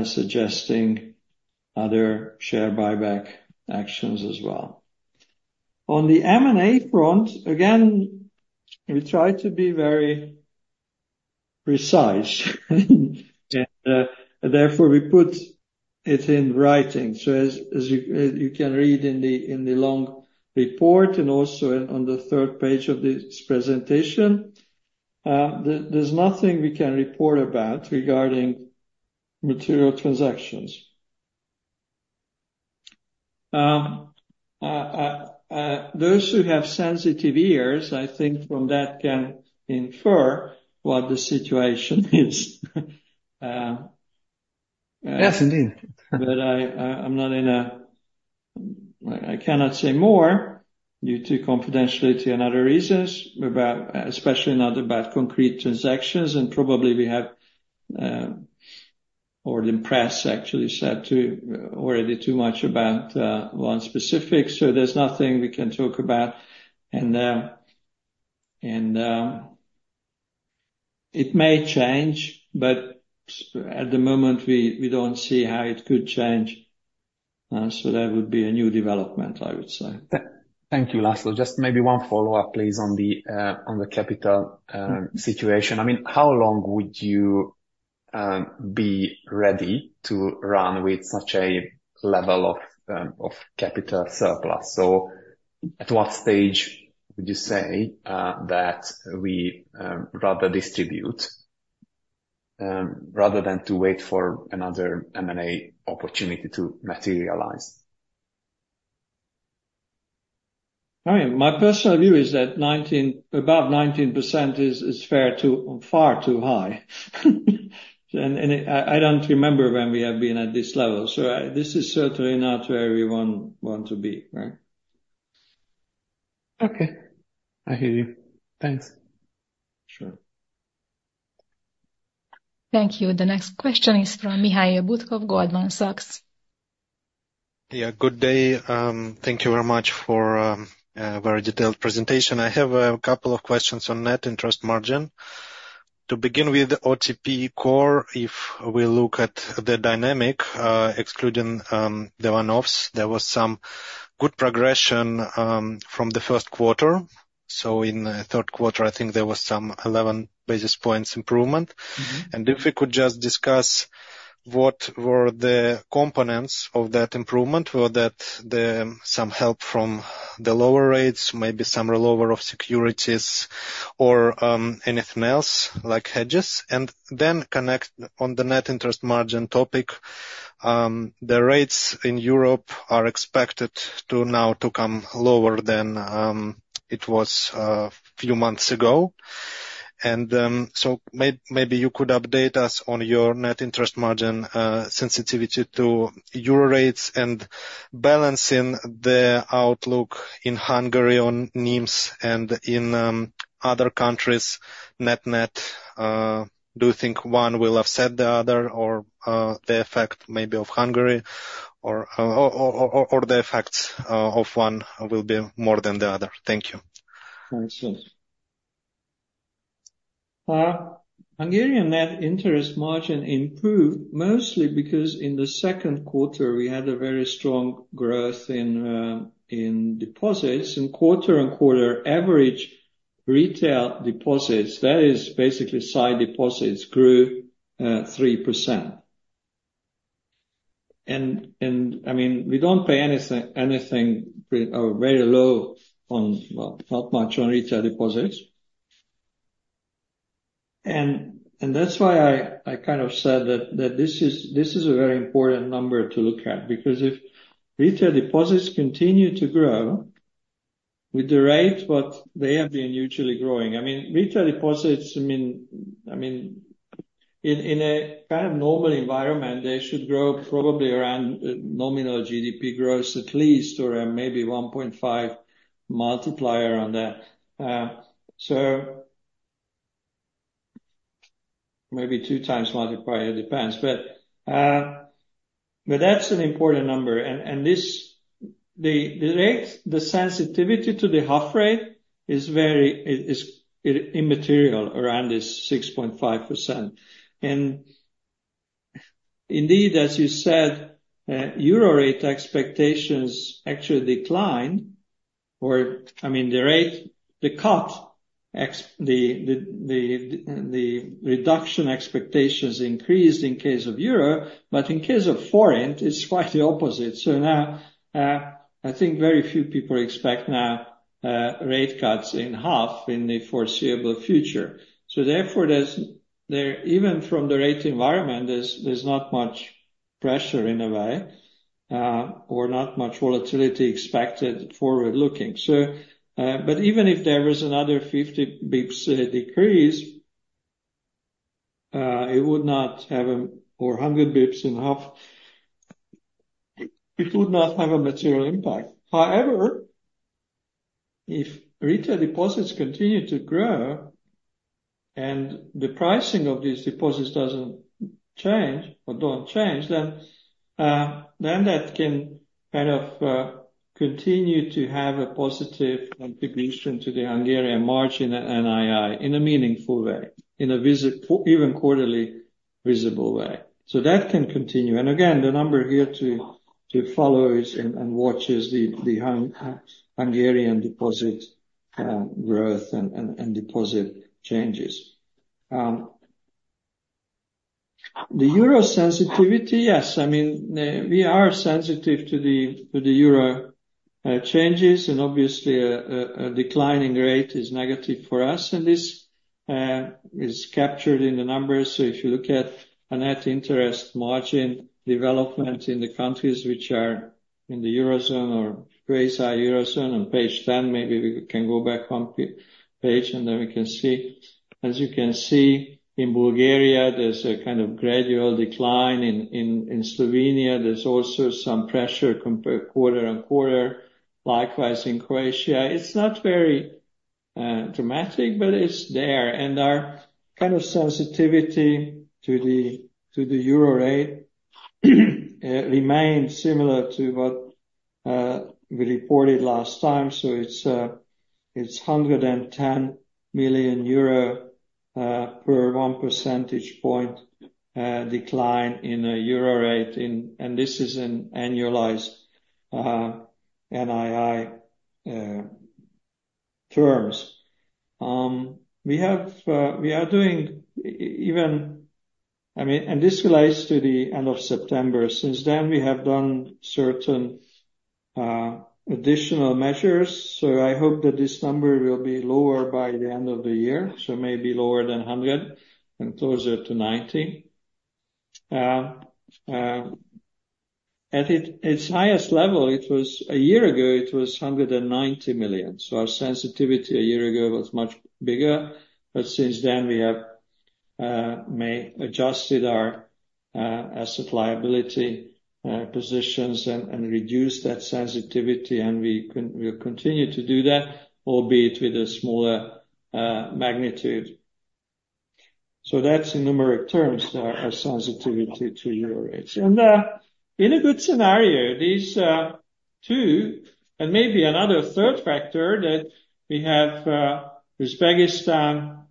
B: suggesting other share buyback actions as well. On the M&A front, again, we try to be very precise. And therefore, we put it in writing. So as you can read in the long report and also on the third page of this presentation, there's nothing we can report about regarding material transactions. Those who have sensitive ears, I think from that can infer what the situation is. Yes, indeed. But I'm not in a I cannot say more due to confidentiality and other reasons, especially not about concrete transactions. And probably we have or the press actually said already too much about one specific. So there's nothing we can talk about. And it may change, but at the moment, we don't see how it could change. So that would be a new development, I would say.
C: Thank you, László. Just maybe one follow-up, please, on the capital situation. I mean, how long would you be ready to run with such a level of capital surplus? So at what stage would you say that we rather distribute rather than to wait for another M&A opportunity to materialize?
B: I mean, my personal view is that about 19% is far too high. And I don't remember when we have been at this level. So this is certainly not where we want to be, right?
C: Okay. I hear you. Thanks.
B: Sure.
A: Thank you. The next question is from Mikhail Butkov, Goldman Sachs.
E: Yeah, good day. Thank you very much for a very detailed presentation. I have a couple of questions on net interest margin. To begin with the OTP core, if we look at the dynamic, excluding the one-offs, there was some good progression from the Q1. So in the Q3, I think there was some 11 basis points improvement. If we could just discuss what were the components of that improvement, whether that's some help from the lower rates, maybe some reload of securities, or anything else like hedges. Then connect on the net interest margin topic. The rates in Europe are expected now to come lower than it was a few months ago. Maybe you could update us on your net interest margin sensitivity to euro rates and balancing the outlook in Hungary on NIMS and in other countries, net-net. Do you think one will offset the other or the effect maybe of Hungary or the effects of one will be more than the other? Thank you. Thank you.
B: Hungarian net interest margin improved mostly because in the Q2, we had a very strong growth in deposits. Quarter-on-quarter average retail deposits, that is basically sight deposits, grew 3%. I mean, we don't pay anything very low on, well, not much on retail deposits. That's why I kind of said that this is a very important number to look at because if retail deposits continue to grow with the rate what they have been usually growing. I mean, retail deposits, I mean, in a kind of normal environment, they should grow probably around nominal GDP growth at least or maybe 1.5 multiplier on that. So maybe two times multiplier, it depends. But that's an important number. The sensitivity to the HUF rate is very immaterial around this 6.5%. Indeed, as you said, euro rate expectations actually declined. Or I mean, the rate, the cut, the reduction expectations increased in case of euro. In case of forint, it's quite the opposite. So now, I think very few people expect now rate cuts in HUF in the foreseeable future. So therefore, even from the rate environment, there's not much pressure in a way or not much volatility expected forward-looking. But even if there was another 50 basis points decrease, it would not have a or 100 basis points in HUF, it would not have a material impact. However, if retail deposits continue to grow and the pricing of these deposits doesn't change or don't change, then that can kind of continue to have a positive contribution to the Hungarian margin and NII in a meaningful way, in a even quarterly visible way. So that can continue. And again, the number here to follow is and watch is the Hungarian deposit growth and deposit changes. The euro sensitivity, yes. I mean, we are sensitive to the euro changes. Obviously, a declining rate is negative for us. This is captured in the numbers. If you look at net interest margin development in the countries which are in the eurozone or ERM-sized eurozone on page 10, maybe we can go back one page, and then we can see. As you can see, in Bulgaria, there's a kind of gradual decline. In Slovenia, there's also some pressure quarter on quarter. Likewise, in Croatia. It's not very dramatic, but it's there. Our kind of sensitivity to the euro rate remains similar to what we reported last time. It's 110 million euro per one percentage point decline in the euro rate. This is an annualized NII terms. We are doing even, I mean, and this relates to the end of September. Since then, we have done certain additional measures. So I hope that this number will be lower by the end of the year. So maybe lower than 100 and closer to 90. At its highest level, a year ago, it was 190 million. So our sensitivity a year ago was much bigger. But since then, we have adjusted our asset liability positions and reduced that sensitivity. And we will continue to do that, albeit with a smaller magnitude. So that's in numeric terms, our sensitivity to euro rates. And in a good scenario, these two and maybe another third factor that we have Uzbekistan,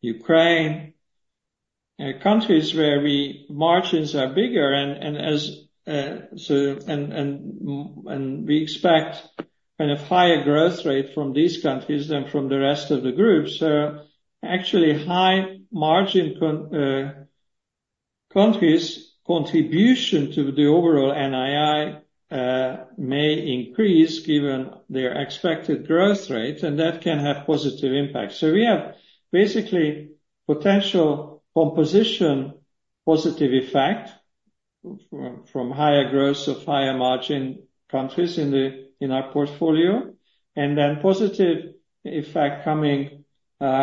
B: Ukraine, countries where margins are bigger. And we expect kind of higher growth rate from these countries than from the rest of the group. So actually, high margin countries' contribution to the overall NII may increase given their expected growth rate. And that can have positive impacts. We have basically potential composition positive effect from higher growth of higher margin countries in our portfolio. Then positive effect coming from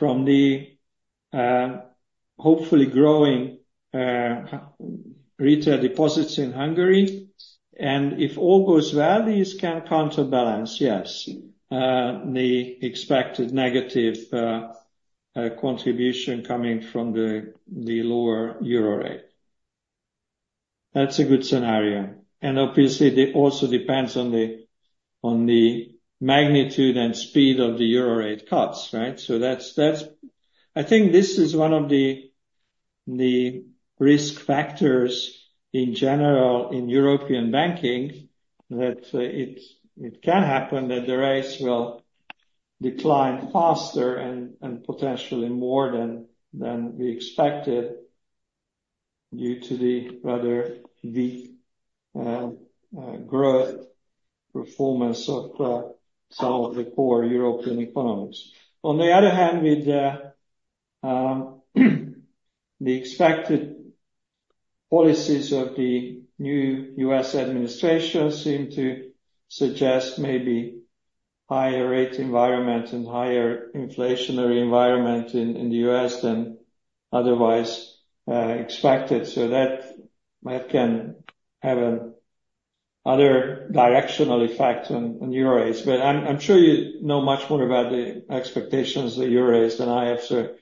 B: the hopefully growing retail deposits in Hungary. If all goes well, these can counterbalance, yes, the expected negative contribution coming from the lower euro rate. That's a good scenario. Obviously, it also depends on the magnitude and speed of the euro rate cuts, right? I think this is one of the risk factors in general in European banking that it can happen that the rates will decline faster and potentially more than we expected due to the rather weak growth performance of some of the core European economies. On the other hand, the expected policies of the new U.S. administration seem to suggest maybe higher rate environment and higher inflationary environment in the U.S. than otherwise expected. So that can have another directional effect on euro rates. But I'm sure you know much more about the expectations of euro rates than I have. So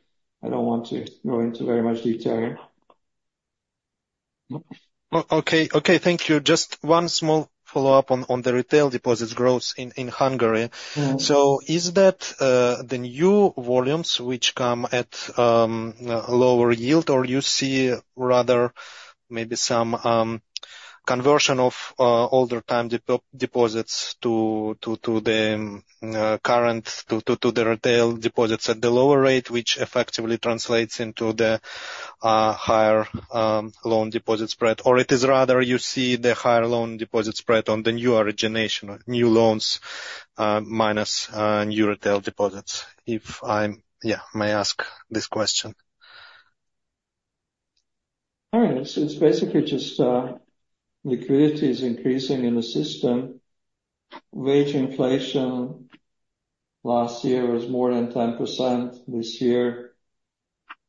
B: I don't want to go into very much detail here.
E: Okay. Thank you. Just one small follow-up on the retail deposits growth in Hungary. So is that the new volumes which come at lower yield, or you see rather maybe some conversion of older time deposits to the current, to the retail deposits at the lower rate, which effectively translates into the higher loan deposit spread? Or it is rather you see the higher loan deposit spread on the new origination, new loans minus new retail deposits, if I may ask this question?
B: All right. So it's basically just liquidity is increasing in the system. Wage inflation last year was more than 10%. This year,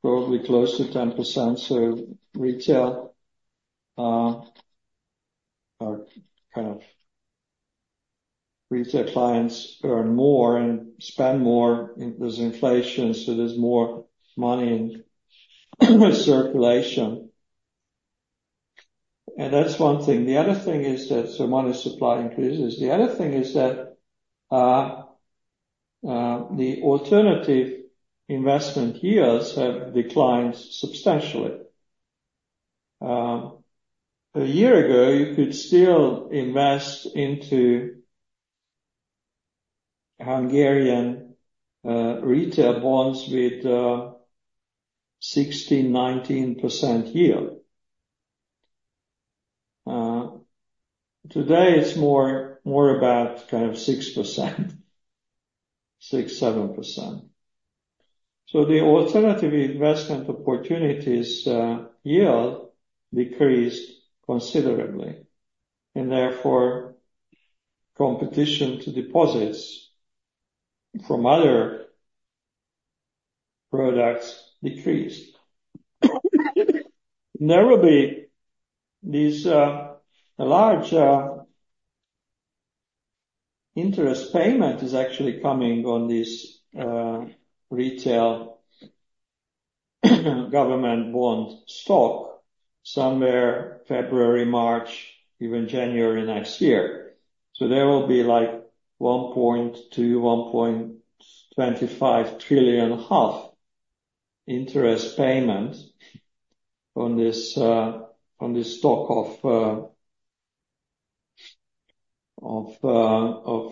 B: probably close to 10%. Retail or kind of retail clients earn more and spend more because inflation. So there's more money in circulation. And that's one thing. The other thing is that the money supply increases. The other thing is that the alternative investment yields have declined substantially. A year ago, you could still invest into Hungarian retail government bonds with 16-19% yield. Today, it's more about kind of 6%-7%. So the alternative investment opportunities yield decreased considerably. And therefore, competition to deposits from other products decreased. Nevertheless, a large interest payment is actually coming on this retail government bond stock in February, March, even January next year. So there will be like 1.2-1.25 trillion HUF interest payment on this stock of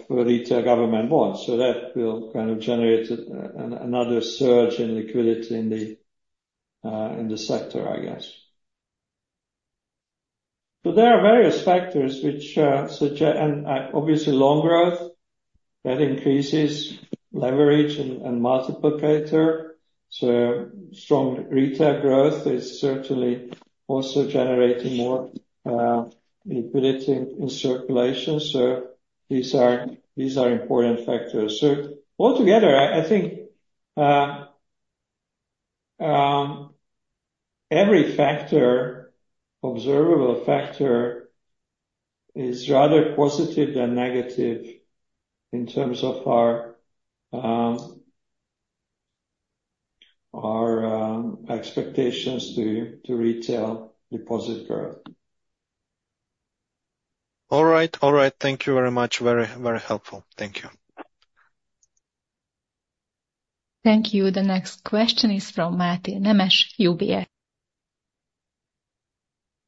B: retail government bonds. So that will kind of generate another surge in liquidity in the sector, I guess. But there are various factors which suggest, and obviously, loan growth that increases leverage and multiplier. So strong retail growth is certainly also generating more liquidity in circulation. So these are important factors. So altogether, I think every factor, observable factor, is rather positive than negative in terms of our expectations to retail deposit growth. All right.
E: All right. Thank you very much. Very, very helpful. Thank you.
A: Thank you. The next question is from Máté Nemes, UBS.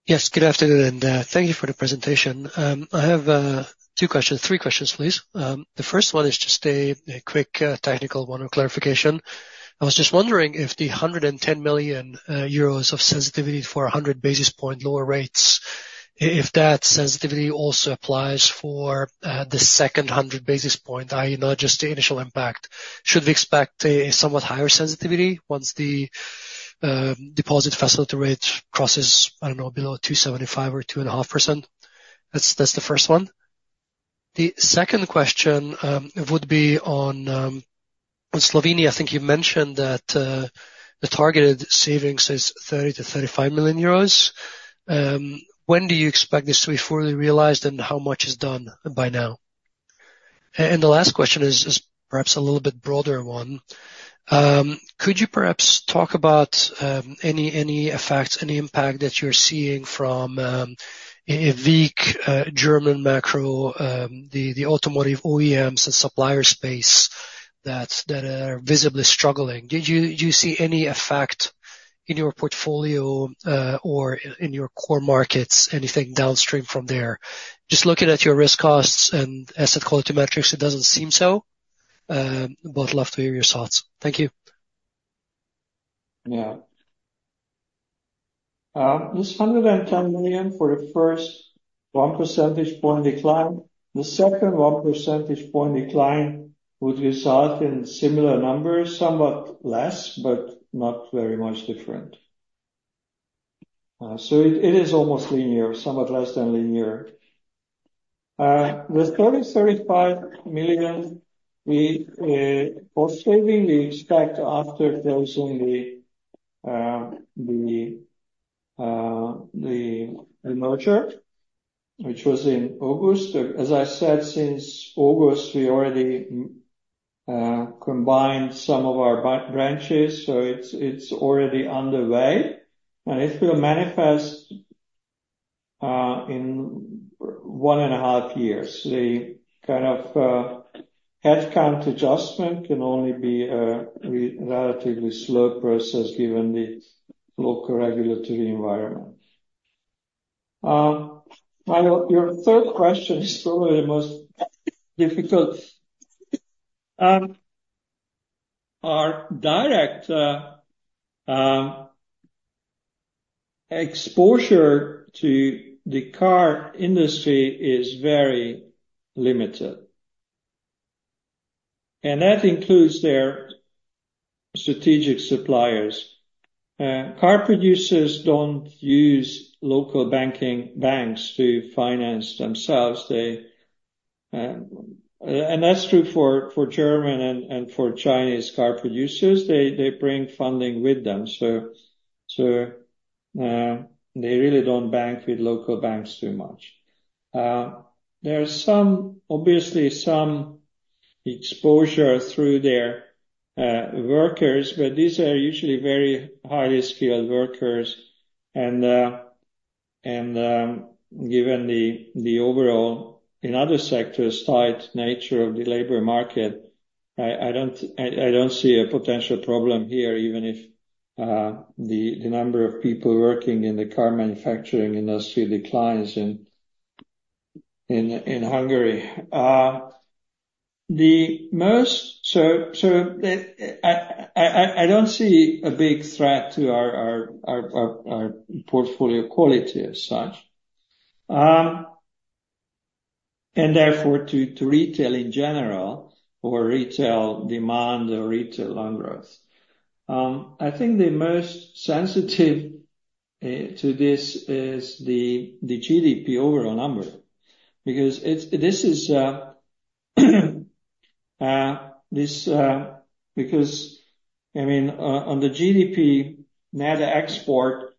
F: Yes. Good afternoon. And thank you for the presentation. I have two questions, three questions, please. The first one is just a quick technical one of clarification. I was just wondering if the 110 million euros of sensitivity for 100 basis point lower rates, if that sensitivity also applies for the second 100 basis point, i.e., not just the initial impact, should we expect a somewhat higher sensitivity once the deposit facility rate crosses, I don't know, below 2.75 or 2.5%? That's the first one. The second question would be on Slovenia. I think you mentioned that the targeted savings is 30 million-35 million euros. When do you expect this to be fully realized and how much is done by now? And the last question is perhaps a little bit broader one. Could you perhaps talk about any effects, any impact that you're seeing from a weak German macro, the automotive OEMs and supplier space that are visibly struggling? Do you see any effect in your portfolio or in your core markets, anything downstream from there? Just looking at your risk costs and asset quality metrics, it doesn't seem so. But love to hear your thoughts. Thank you.
B: Yeah. This 110 million for the first 1 percentage point decline. The second 1 percentage point decline would result in similar numbers, somewhat less, but not very much different. So it is almost linear, somewhat less than linear. The 30-35 million cost saving, we expect after closing the merger, which was in August. As I said, since August, we already combined some of our branches. So it's already underway. And it will manifest in one and a half years. The kind of headcount adjustment can only be a relatively slow process given the local regulatory environment. Your third question is probably the most difficult. Our direct exposure to the car industry is very limited. And that includes their strategic suppliers. Car producers don't use local banks to finance themselves. That's true for German and for Chinese car producers. They bring funding with them. They really don't bank with local banks too much. There's obviously some exposure through their workers, but these are usually very highly skilled workers. Given the overall, in other sectors, tight nature of the labor market, I don't see a potential problem here, even if the number of people working in the car manufacturing industry declines in Hungary. I don't see a big threat to our portfolio quality as such. Therefore, to retail in general or retail demand or retail loan growth. I think the most sensitive to this is the GDP overall number. Because I mean, on the GDP, net export,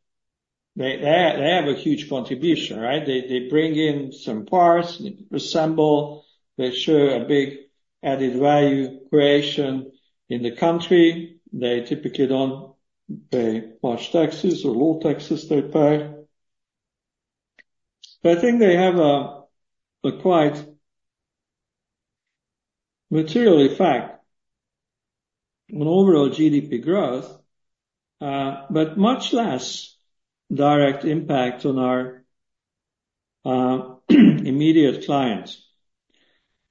B: they have a huge contribution, right? They bring in some parts, assemble. They show a big added value creation in the country. They typically don't pay much taxes or little taxes they pay. But I think they have a quite material effect on overall GDP growth, but much less direct impact on our immediate clients.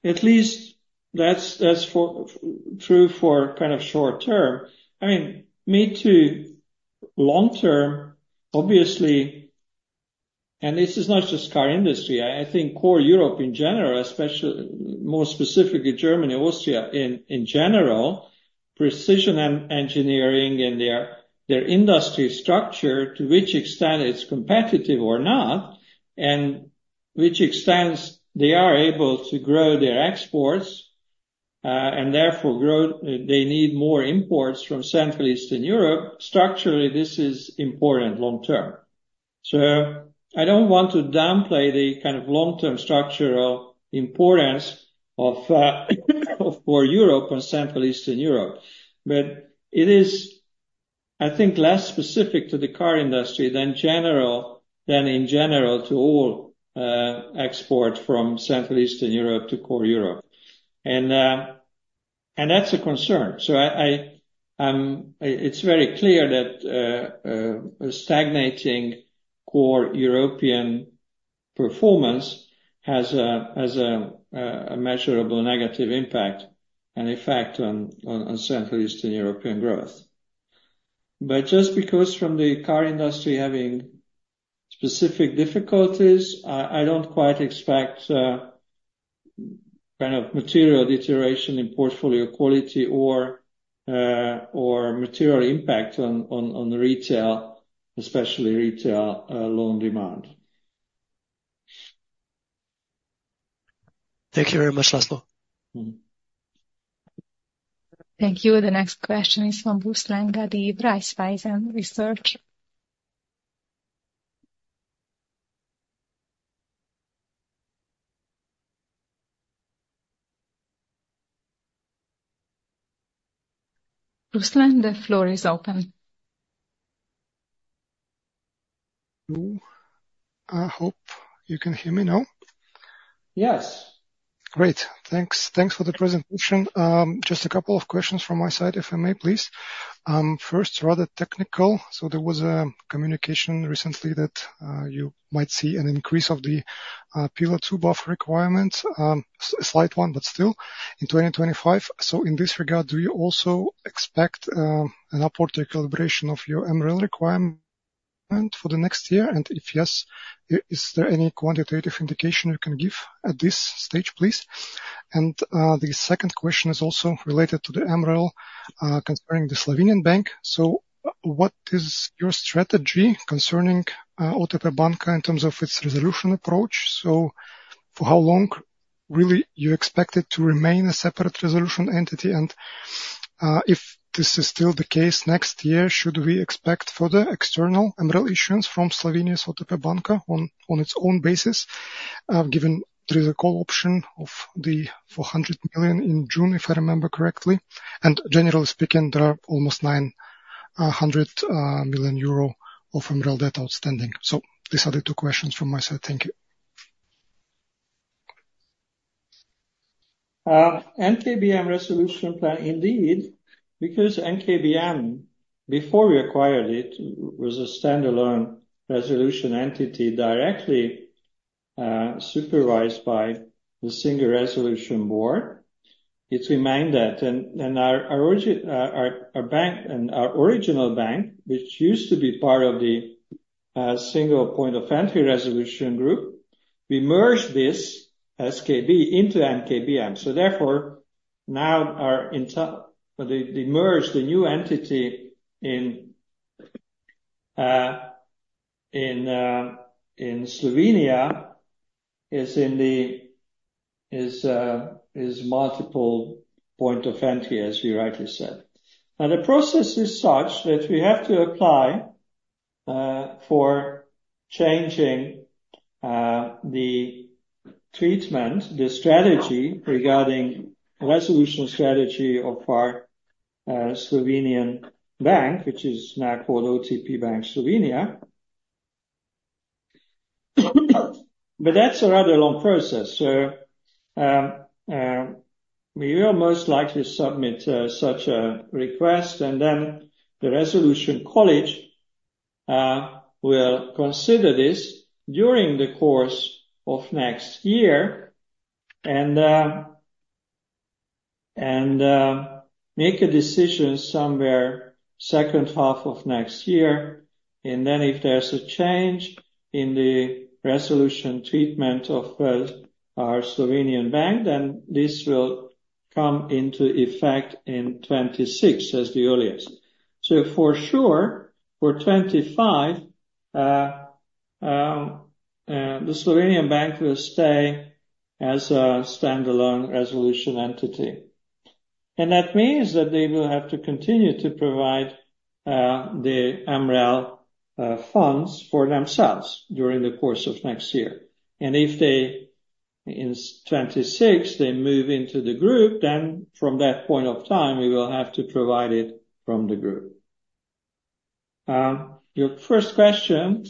B: At least that's true for kind of short term. I mean, mid to long term, obviously, and this is not just car industry. I think core Europe in general, especially more specifically Germany, Austria in general, precision engineering and their industry structure, to which extent it's competitive or not, and which extent they are able to grow their exports and therefore grow, they need more imports from Central Eastern Europe. Structurally, this is important long term. I don't want to downplay the kind of long-term structural importance for Europe and Central Eastern Europe. But it is, I think, less specific to the car industry than in general to all exports from Central and Eastern Europe to core Europe. And that's a concern. So it's very clear that a stagnating core European performance has a measurable negative impact and effect on Central and Eastern European growth. But just because from the car industry having specific difficulties, I don't quite expect kind of material deterioration in portfolio quality or material impact on retail, especially retail loan demand.
F: Thank you very much, László.
A: Thank you. The next question is from Ruslan, the Raiffeisen Research. Ruslan, the floor is open.
G: I hope you can hear me now.
B: Yes.
G: Great. Thanks. Thanks for the presentation. Just a couple of questions from my side, if I may, please. First, rather technical. There was a communication recently that you might see an increase of the Pillar 2 buffer requirements, a slight one, but still in 2025. In this regard, do you also expect an upward revision of your MREL requirement for the next year? And if yes, is there any quantitative indication you can give at this stage, please? The second question is also related to the MREL concerning the Slovenian bank. What is your strategy concerning OTP Banka in terms of its resolution approach? For how long, really, do you expect it to remain a separate resolution entity? And if this is still the case next year, should we expect further external MREL issuances from Slovenia's OTP Banka on its own basis, given there is a call option of the 400 million in June, if I remember correctly? Generally speaking, there are almost 900 million euro of MREL debt outstanding. These are the two questions from my side. Thank you.
B: NKBM resolution plan, indeed, because NKBM, before we acquired it, was a standalone resolution entity directly supervised by the Single Resolution Board. It remained that. Our original bank, which used to be part of the Single Point of Entry resolution group, we merged this SKB into NKBM. Therefore, now the merged new entity in Slovenia is Multiple Point of Entry, as you rightly said. The process is such that we have to apply for changing the treatment, the strategy regarding resolution strategy of our Slovenian bank, which is now called OTP Bank Slovenia. That's a rather long process. So we will most likely submit such a request, and then the resolution college will consider this during the course of next year and make a decision somewhere second half of next year. And then if there's a change in the resolution treatment of our Slovenian bank, then this will come into effect in 2026, as the earliest. So for sure, for 2025, the Slovenian bank will stay as a standalone resolution entity. And that means that they will have to continue to provide the MREL funds for themselves during the course of next year. And if in 2026, they move into the group, then from that point of time, we will have to provide it from the group. Your first question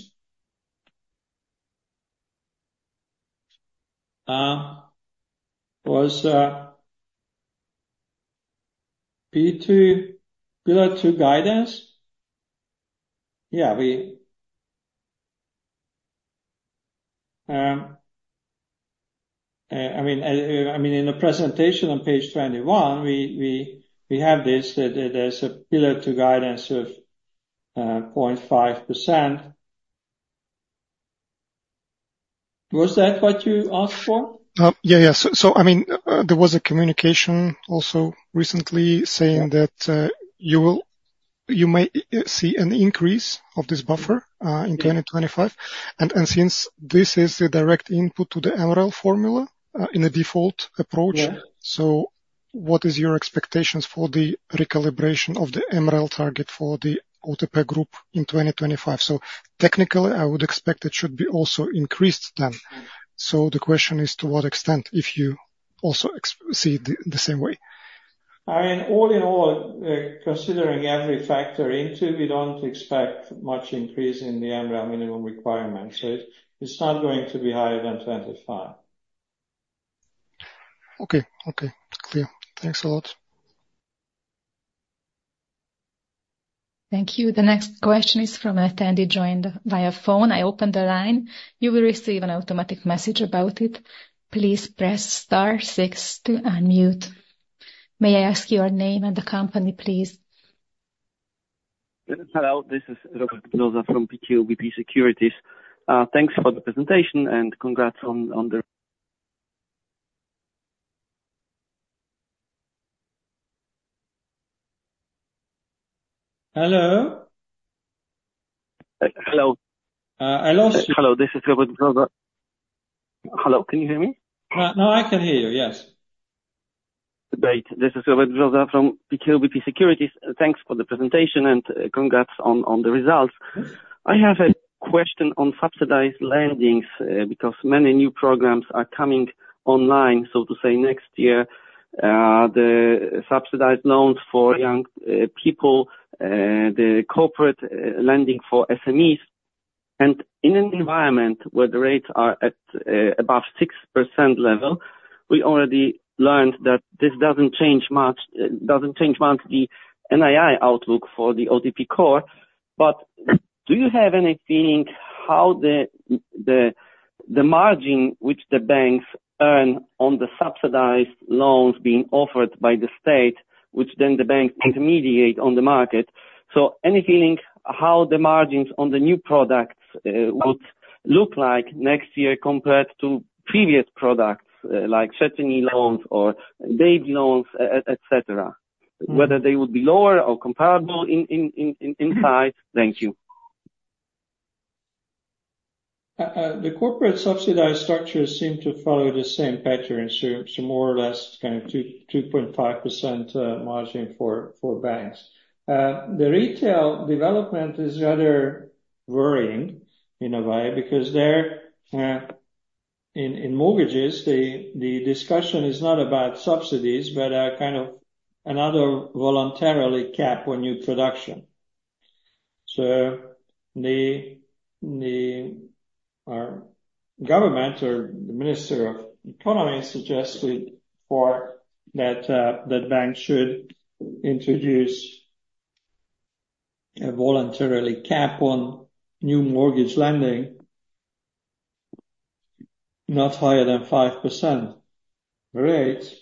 B: was Pillar 2 guidance. Yeah. I mean, in the presentation on page 21, we have this that there's a Pillar 2 guidance of 0.5%. Was that what you asked for?
G: Yeah. Yeah. So I mean, there was a communication also recently saying that you may see an increase of this buffer in 2025. And since this is the direct input to the MREL formula in a default approach, so what is your expectations for the recalibration of the MREL target for the OTP Group in 2025? So technically, I would expect it should be also increased then. So the question is to what extent if you also see it the same way.
B: I mean, all in all, considering every factor into, we don't expect much increase in the MREL minimum requirement. So it's not going to be higher than 25.
G: Okay. Okay. Clear. Thanks a lot.
A: Thank you. The next question is from an attendee joined via phone. I opened the line. You will receive an automatic message about it. Please press star six to unmute. May I ask your name and the company, please?
H: Hello. This is Robert Brzoza from PKO BP Securities. Thanks for the presentation and congrats on the results. I have a question on subsidized lending because many new programs are coming online, so to say, next year. The subsidized loans for young people, the corporate lending for SMEs. In an environment where the rates are above 6% level, we already learned that this doesn't change much. It doesn't change much the NII outlook for the OTP core. But do you have any feeling how the margin which the banks earn on the subsidized loans being offered by the state, which then the banks intermediate on the market? So any feeling how the margins on the new products would look like next year compared to previous products like certainty loans or data loans, etc., whether they would be lower or comparable in size? Thank you.
B: The corporate subsidized structures seem to follow the same pattern, so more or less kind of 2.5% margin for banks. The retail development is rather worrying in a way because in mortgages, the discussion is not about subsidies, but kind of another voluntarily cap on new production. So the government or the Minister of Economy suggested that banks should introduce a voluntarily cap on new mortgage lending, not higher than 5% rates.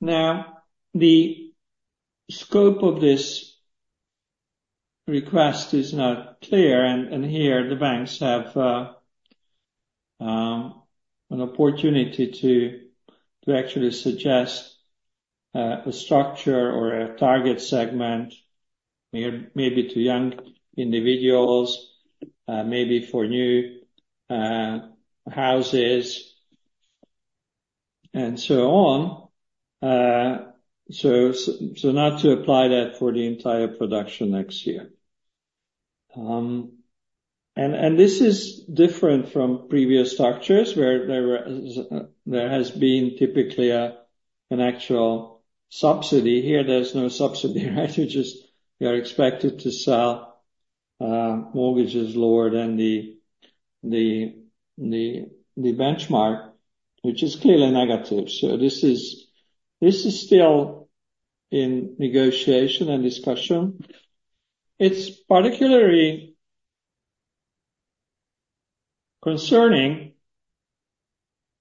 B: Now, the scope of this request is not clear. And here, the banks have an opportunity to actually suggest a structure or a target segment, maybe to young individuals, maybe for new houses, and so on, so not to apply that for the entire production next year. And this is different from previous structures where there has been typically an actual subsidy. Here, there's no subsidy, right? You're expected to sell mortgages lower than the benchmark, which is clearly negative. So this is still in negotiation and discussion. It's particularly concerning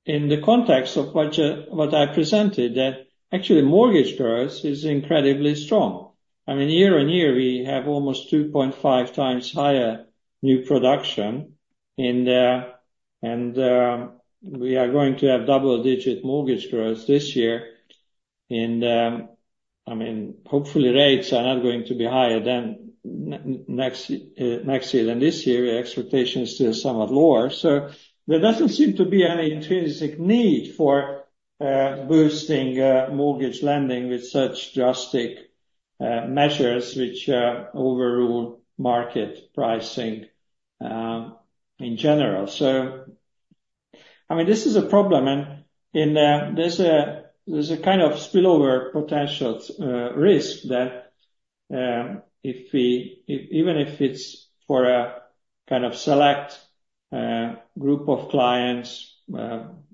B: in the context of what I presented, that actually mortgage growth is incredibly strong. I mean, year on year, we have almost 2.5 times higher new production. And we are going to have double-digit mortgage growth this year. And I mean, hopefully, rates are not going to be higher next year. And this year, the expectation is still somewhat lower. There doesn't seem to be any intrinsic need for boosting mortgage lending with such drastic measures, which overrule market pricing in general. So I mean, this is a problem. And there's a kind of spillover potential risk that even if it's for a kind of select group of clients,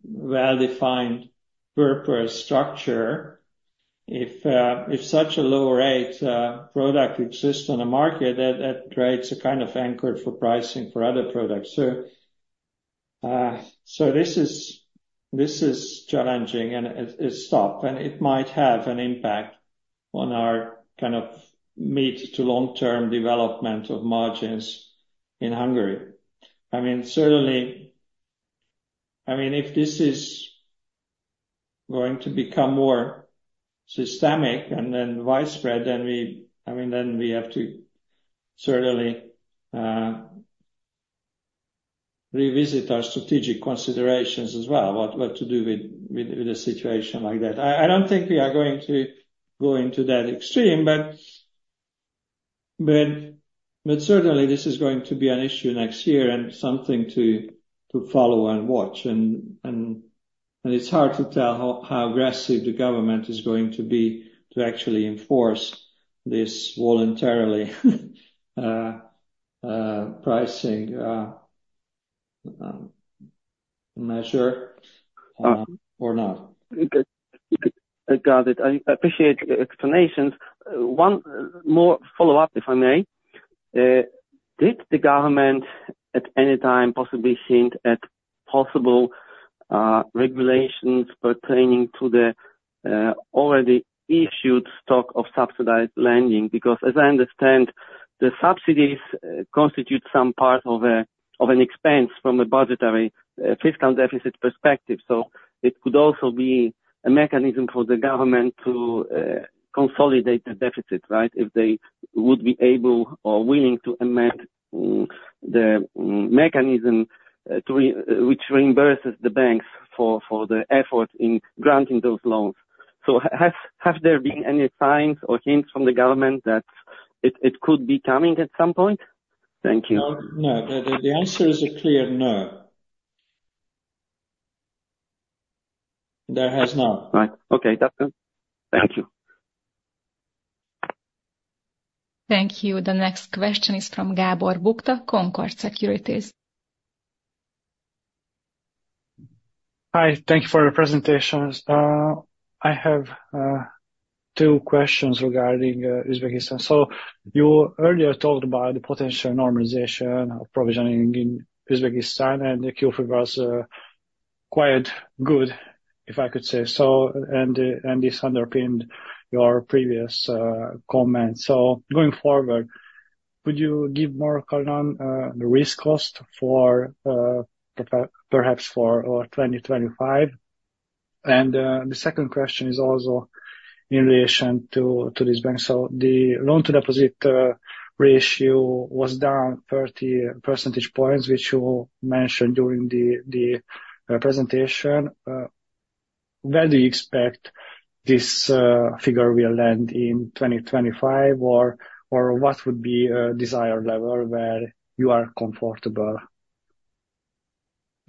B: well-defined purpose structure, if such a low-rate product exists on the market, that rates are kind of anchored for pricing for other products. So this is challenging, and it's tough. And it might have an impact on our kind of mid to long-term development of margins in Hungary. I mean, certainly, I mean, if this is going to become more systemic and then widespread, then we have to certainly revisit our strategic considerations as well, what to do with a situation like that. I don't think we are going to go into that extreme. But certainly, this is going to be an issue next year and something to follow and watch. And it's hard to tell how aggressive the government is going to be to actually enforce this voluntary pricing measure or not.
H: Got it. I appreciate the explanations. One more follow-up, if I may. Did the government at any time possibly hint at possible regulations pertaining to the already issued stock of subsidized lending? Because as I understand, the subsidies constitute some part of an expense from a budgetary fiscal deficit perspective. So it could also be a mechanism for the government to consolidate the deficit, right, if they would be able or willing to amend the mechanism which reimburses the banks for the effort in granting those loans. So have there been any signs or hints from the government that it could be coming at some point? Thank you.
B: No. The answer is a clear no. There has not.
H: Right. Okay. Thank you.
A: Thank you. The next question is from Gábor Bukta, Concorde Securities.
I: Hi. Thank you for your presentation. I have two questions regarding Uzbekistan. So you earlier talked about the potential normalization of provisioning in Uzbekistan, and the Q3 was quite good, if I could say so, and this underpinned your previous comments. So going forward, could you give more color on the risk cost perhaps for 2025? And the second question is also in relation to this bank. So the loan-to-deposit ratio was down 30 percentage points, which you mentioned during the presentation. Where do you expect this figure will land in 2025, or what would be a desired level where you are comfortable?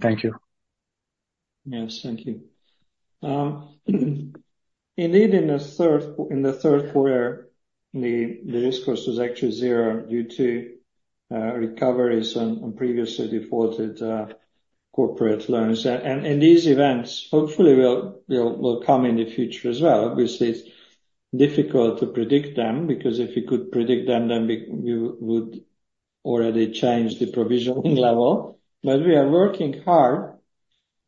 I: Thank you.
B: Yes. Thank you. Indeed, in the Q3, the risk cost was actually zero due to recoveries on previously defaulted corporate loans. And these events, hopefully, will come in the future as well. Obviously, it's difficult to predict them because if we could predict them, then we would already change the provisioning level. But we are working hard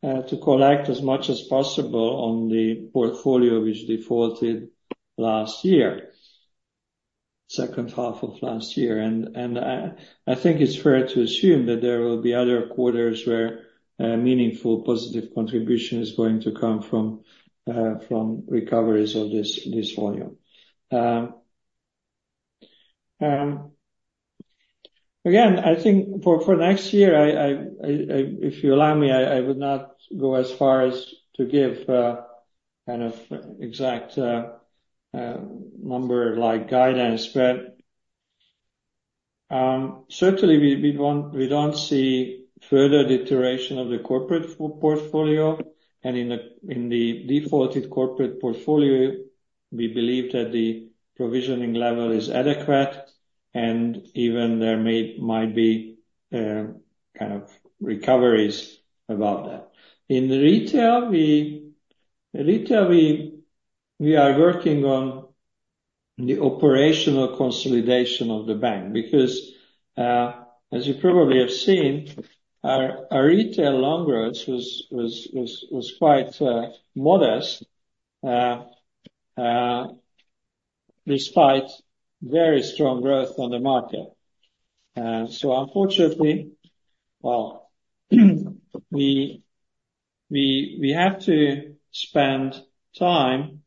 B: to collect as much as possible on the portfolio which defaulted last year, second half of last year. And I think it's fair to assume that there will be other quarters where meaningful positive contribution is going to come from recoveries of this volume. Again, I think for next year, if you allow me, I would not go as far as to give kind of exact number-like guidance. But certainly, we don't see further deterioration of the corporate portfolio. And in the defaulted corporate portfolio, we believe that the provisioning level is adequate. And even there might be kind of recoveries above that. In retail, we are working on the operational consolidation of the bank because, as you probably have seen, our retail loan growth was quite modest despite very strong growth on the market. So unfortunately, well, we have to spend time.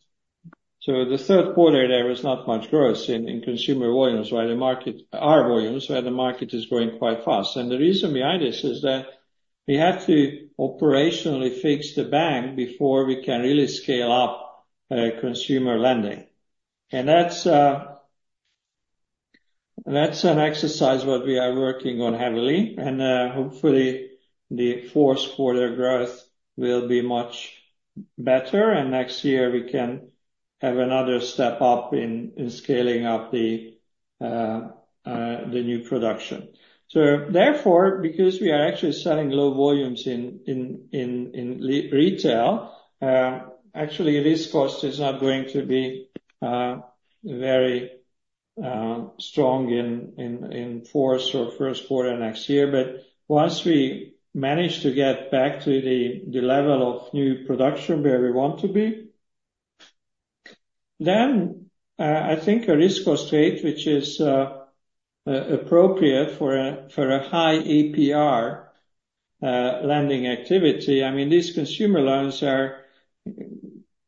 B: So the Q3, there was not much growth in consumer volumes, where the market our volumes, where the market is growing quite fast. And the reason behind this is that we have to operationally fix the bank before we can really scale up consumer lending. And that's an exercise what we are working on heavily. And hopefully, the Q4 growth will be much better. And next year, we can have another step up in scaling up the new production. So therefore, because we are actually selling low volumes in retail, actually, risk cost is not going to be very strong in fourth or Q1 next year. But once we manage to get back to the level of new production where we want to be, then I think a risk cost rate, which is appropriate for a high APR lending activity, I mean, these consumer loans'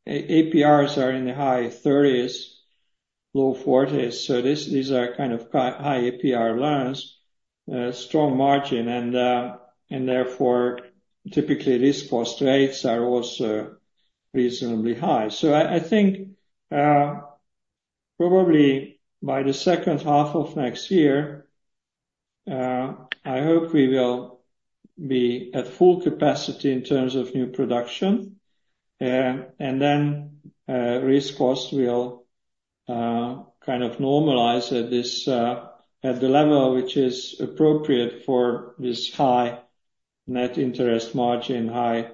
B: APRs are in the high 30s%-low 40s. So these are kind of high APR loans, strong margin. And therefore, typically, risk cost rates are also reasonably high. So I think probably by the second half of next year, I hope we will be at full capacity in terms of new production. And then risk cost will kind of normalize at the level which is appropriate for this high net interest margin, high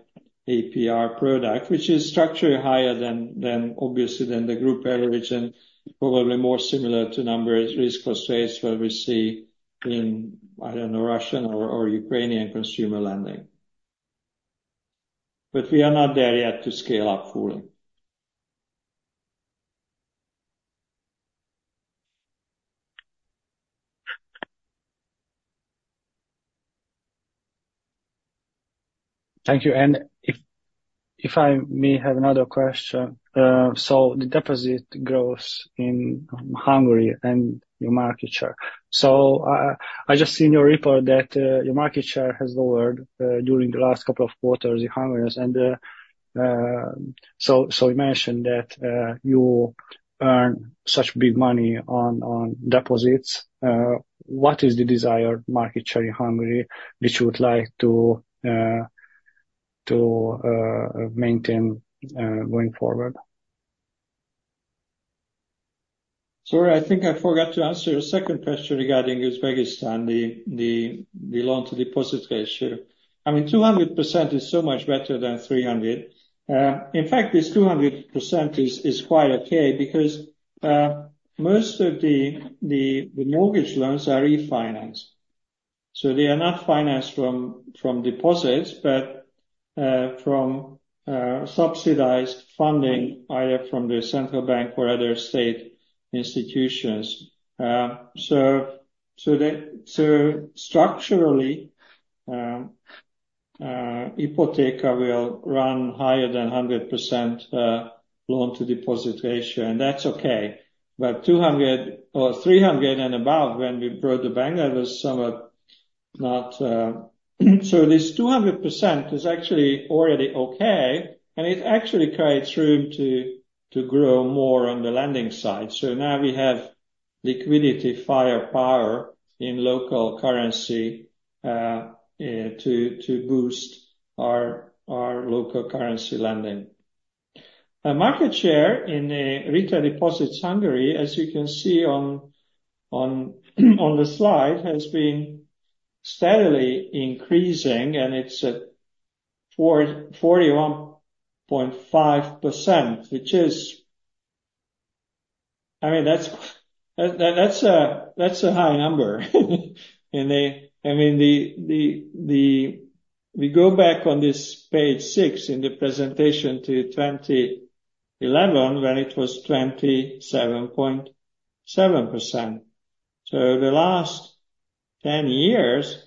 B: APR product, which is structurally higher than, obviously, than the group average and probably more similar to numbers, risk cost rates where we see in, I don't know, Russian or Ukrainian consumer lending. But we are not there yet to scale up fully. Thank you. And if I may have another question. So the deposit growth in Hungary and your market share. So I just seen your report that your market share has lowered during the last couple of quarters in Hungary. And so you mentioned that you earn such big money on deposits. What is the desired market share in Hungary which you would like to maintain going forward? Sorry, I think I forgot to answer your second question regarding Uzbekistan, the loan-to-deposit ratio. I mean, 200% is so much better than 300%. In fact, this 200% is quite okay because most of the mortgage loans are refinanced. So they are not financed from deposits, but from subsidized funding either from the central bank or other state institutions. So structurally, Ipoteka will run higher than 100% loan-to-deposit ratio. And that's okay. But 300% and above, when we brought the bank, that was somewhat not. So this 200% is actually already okay. And it actually creates room to grow more on the lending side. So now we have liquidity, firepower in local currency to boost our local currency lending. Market share in retail deposits Hungary, as you can see on the slide, has been steadily increasing. And it's at 41.5%, which is, I mean, that's a high number. I mean, we go back on this page 6 in the presentation to 2011, when it was 27.7%. So the last 10 years,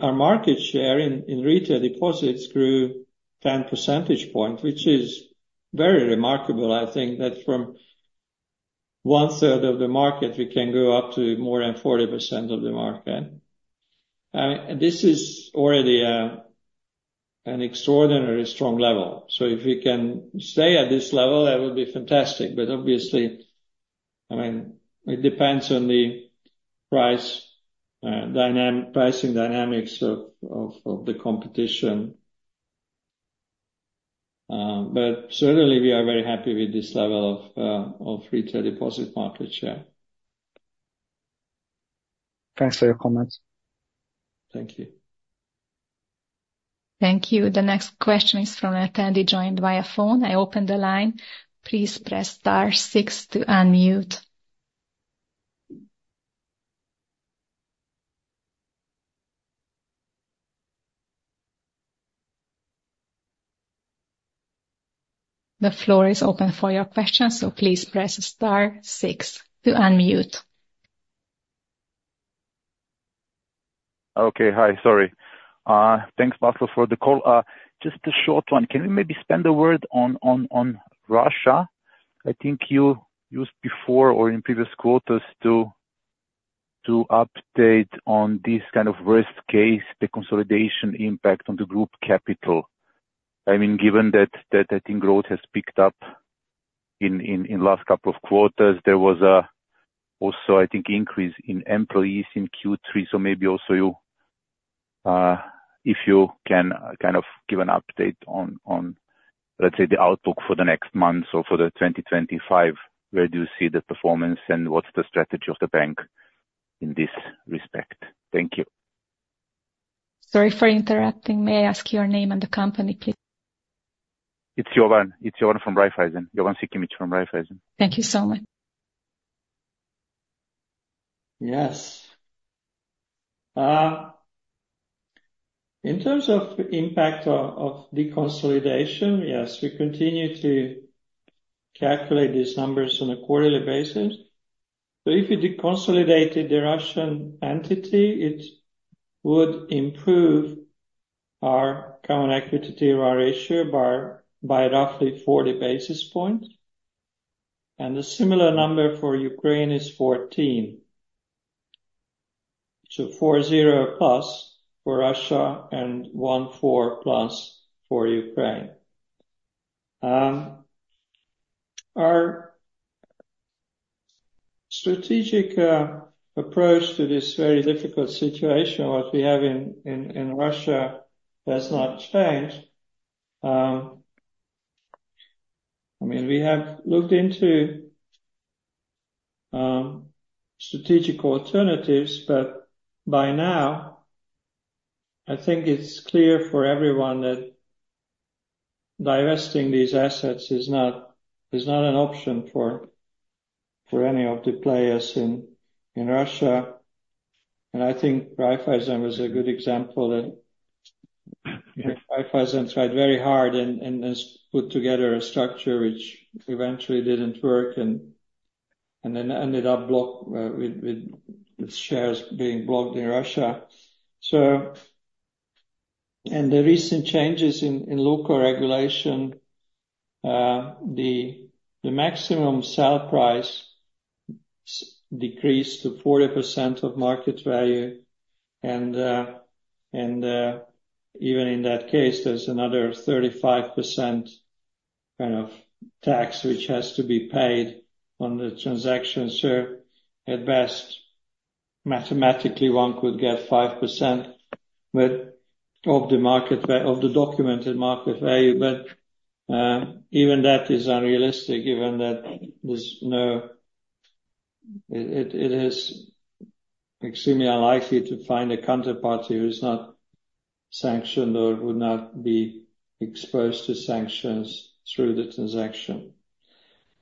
B: our market share in retail deposits grew 10 percentage points, which is very remarkable. I think that from one-third of the market, we can go up to more than 40% of the market. This is already an extraordinarily strong level. So if we can stay at this level, that would be fantastic. But obviously, I mean, it depends on the pricing dynamics of the competition. But certainly, we are very happy with this level of retail deposit market share.
I: Thanks for your comments.
B: Thank you.
A: Thank you. The next question is from an attendee joined via phone. I open the line. Please press star 6 to unmute. The floor is open for your questions. So please press star 6 to unmute.
J: Okay. Hi. Sorry. Thanks, Marco, for the call. Just a short one. Can you maybe spend a word on Russia? I think you used before or in previous quarters to update on this kind of worst-case consolidation impact on the group capital. I mean, given that I think growth has picked up in the last couple of quarters, there was also, I think, an increase in employees in Q3. So maybe also if you can kind of give an update on, let's say, the outlook for the next months or for the 2025, where do you see the performance and what's the strategy of the bank in this respect? Thank you.
A: Sorry for interrupting. May I ask your name and the company, please?
J: It's Jovan from Raiffeisen. Jovan Sikimic from Raiffeisen.
A: Thank you so much.
B: Yes. In terms of impact of deconsolidation, yes, we continue to calculate these numbers on a quarterly basis. If we deconsolidated the Russian entity, it would improve our common equity ratio by roughly 40 basis points. And the similar number for Ukraine is 14. So 40 plus for Russia and 14 plus for Ukraine. Our strategic approach to this very difficult situation, what we have in Russia, has not changed. I mean, we have looked into strategic alternatives, but by now, I think it's clear for everyone that divesting these assets is not an option for any of the players in Russia. And I think Raiffeisen was a good example. Raiffeisen tried very hard and put together a structure which eventually didn't work and then ended up with shares being blocked in Russia. And the recent changes in local regulation, the maximum sale price decreased to 40% of market value. Even in that case, there's another 35% kind of tax which has to be paid on the transaction. At best, mathematically, one could get 5% of the documented market value. Even that is unrealistic given that it is extremely unlikely to find a counterparty who is not sanctioned or would not be exposed to sanctions through the transaction.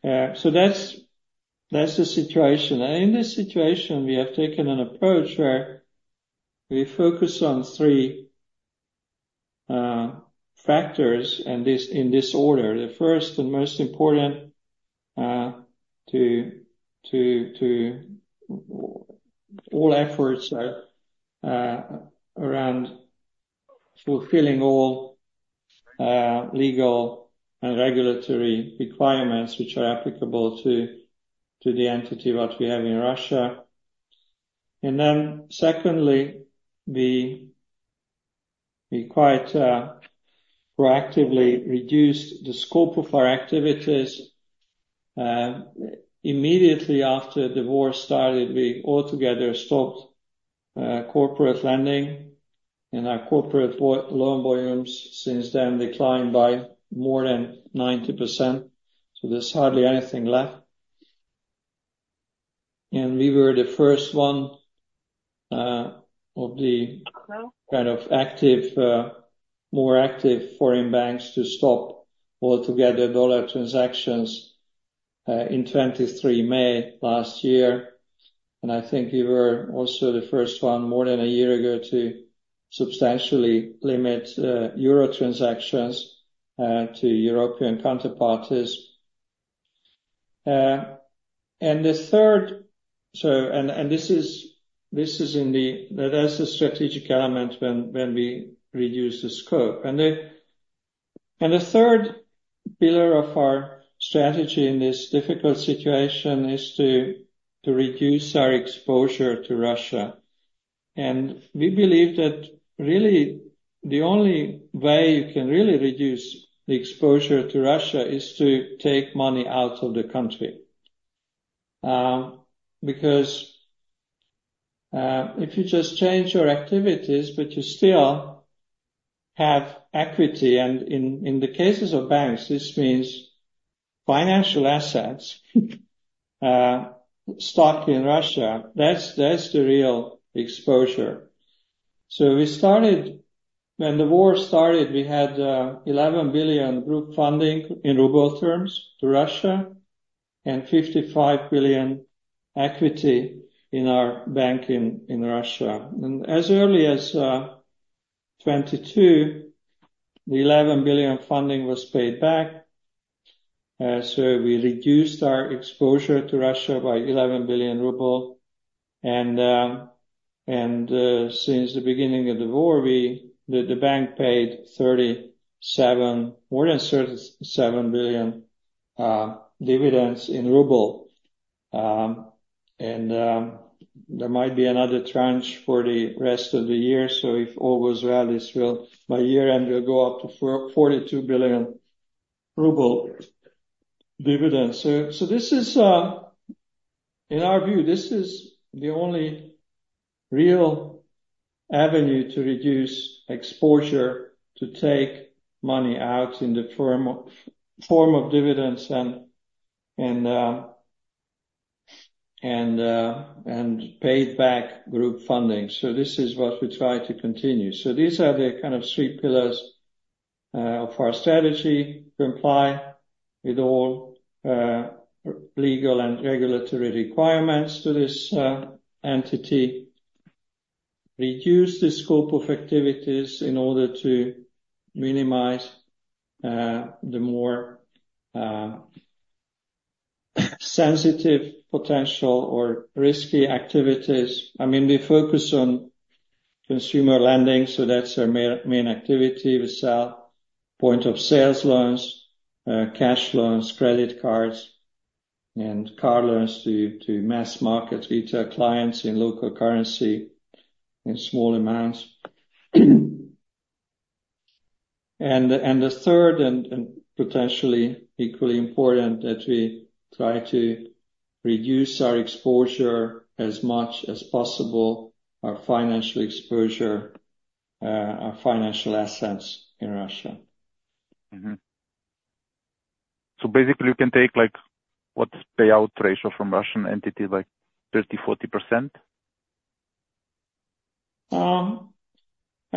B: That's the situation. In this situation, we have taken an approach where we focus on three factors in this order. The first and most important to all efforts are around fulfilling all legal and regulatory requirements which are applicable to the entity what we have in Russia. Then secondly, we quite proactively reduced the scope of our activities. Immediately after the war started, we altogether stopped corporate lending. Our corporate loan volumes since then declined by more than 90%. There's hardly anything left. And we were the first one of the kind of more active foreign banks to stop altogether dollar transactions in 23 May last year. And I think we were also the first one more than a year ago to substantially limit euro transactions to European counterparties. And the third, and this is in the that's the strategic element when we reduce the scope. And the third pillar of our strategy in this difficult situation is to reduce our exposure to Russia. And we believe that really the only way you can really reduce the exposure to Russia is to take money out of the country. Because if you just change your activities, but you still have equity. And in the cases of banks, this means financial assets stuck in Russia. That's the real exposure. So when the war started, we had 11 billion group funding in ruble terms to Russia and 55 billion equity in our bank in Russia. And as early as 2022, the 11 billion funding was paid back. So we reduced our exposure to Russia by 11 billion ruble. And since the beginning of the war, the bank paid more than 37 billion dividends in ruble. And there might be another tranche for the rest of the year. So if all goes well, my year-end will go up to 42 billion ruble dividends. So in our view, this is the only real avenue to reduce exposure, to take money out in the form of dividends and paid-back group funding. So this is what we try to continue. These are the kind of three pillars of our strategy to comply with all legal and regulatory requirements to this entity, reduce the scope of activities in order to minimize the more sensitive potential or risky activities. I mean, we focus on consumer lending. So that's our main activity. We sell point-of-sales loans, cash loans, credit cards, and car loans to mass market retail clients in local currency in small amounts. And the third and potentially equally important that we try to reduce our exposure as much as possible, our financial exposure, our financial assets in Russia.
J: So basically, you can take what's payout ratio from Russian entity, like 30%-40%?
B: I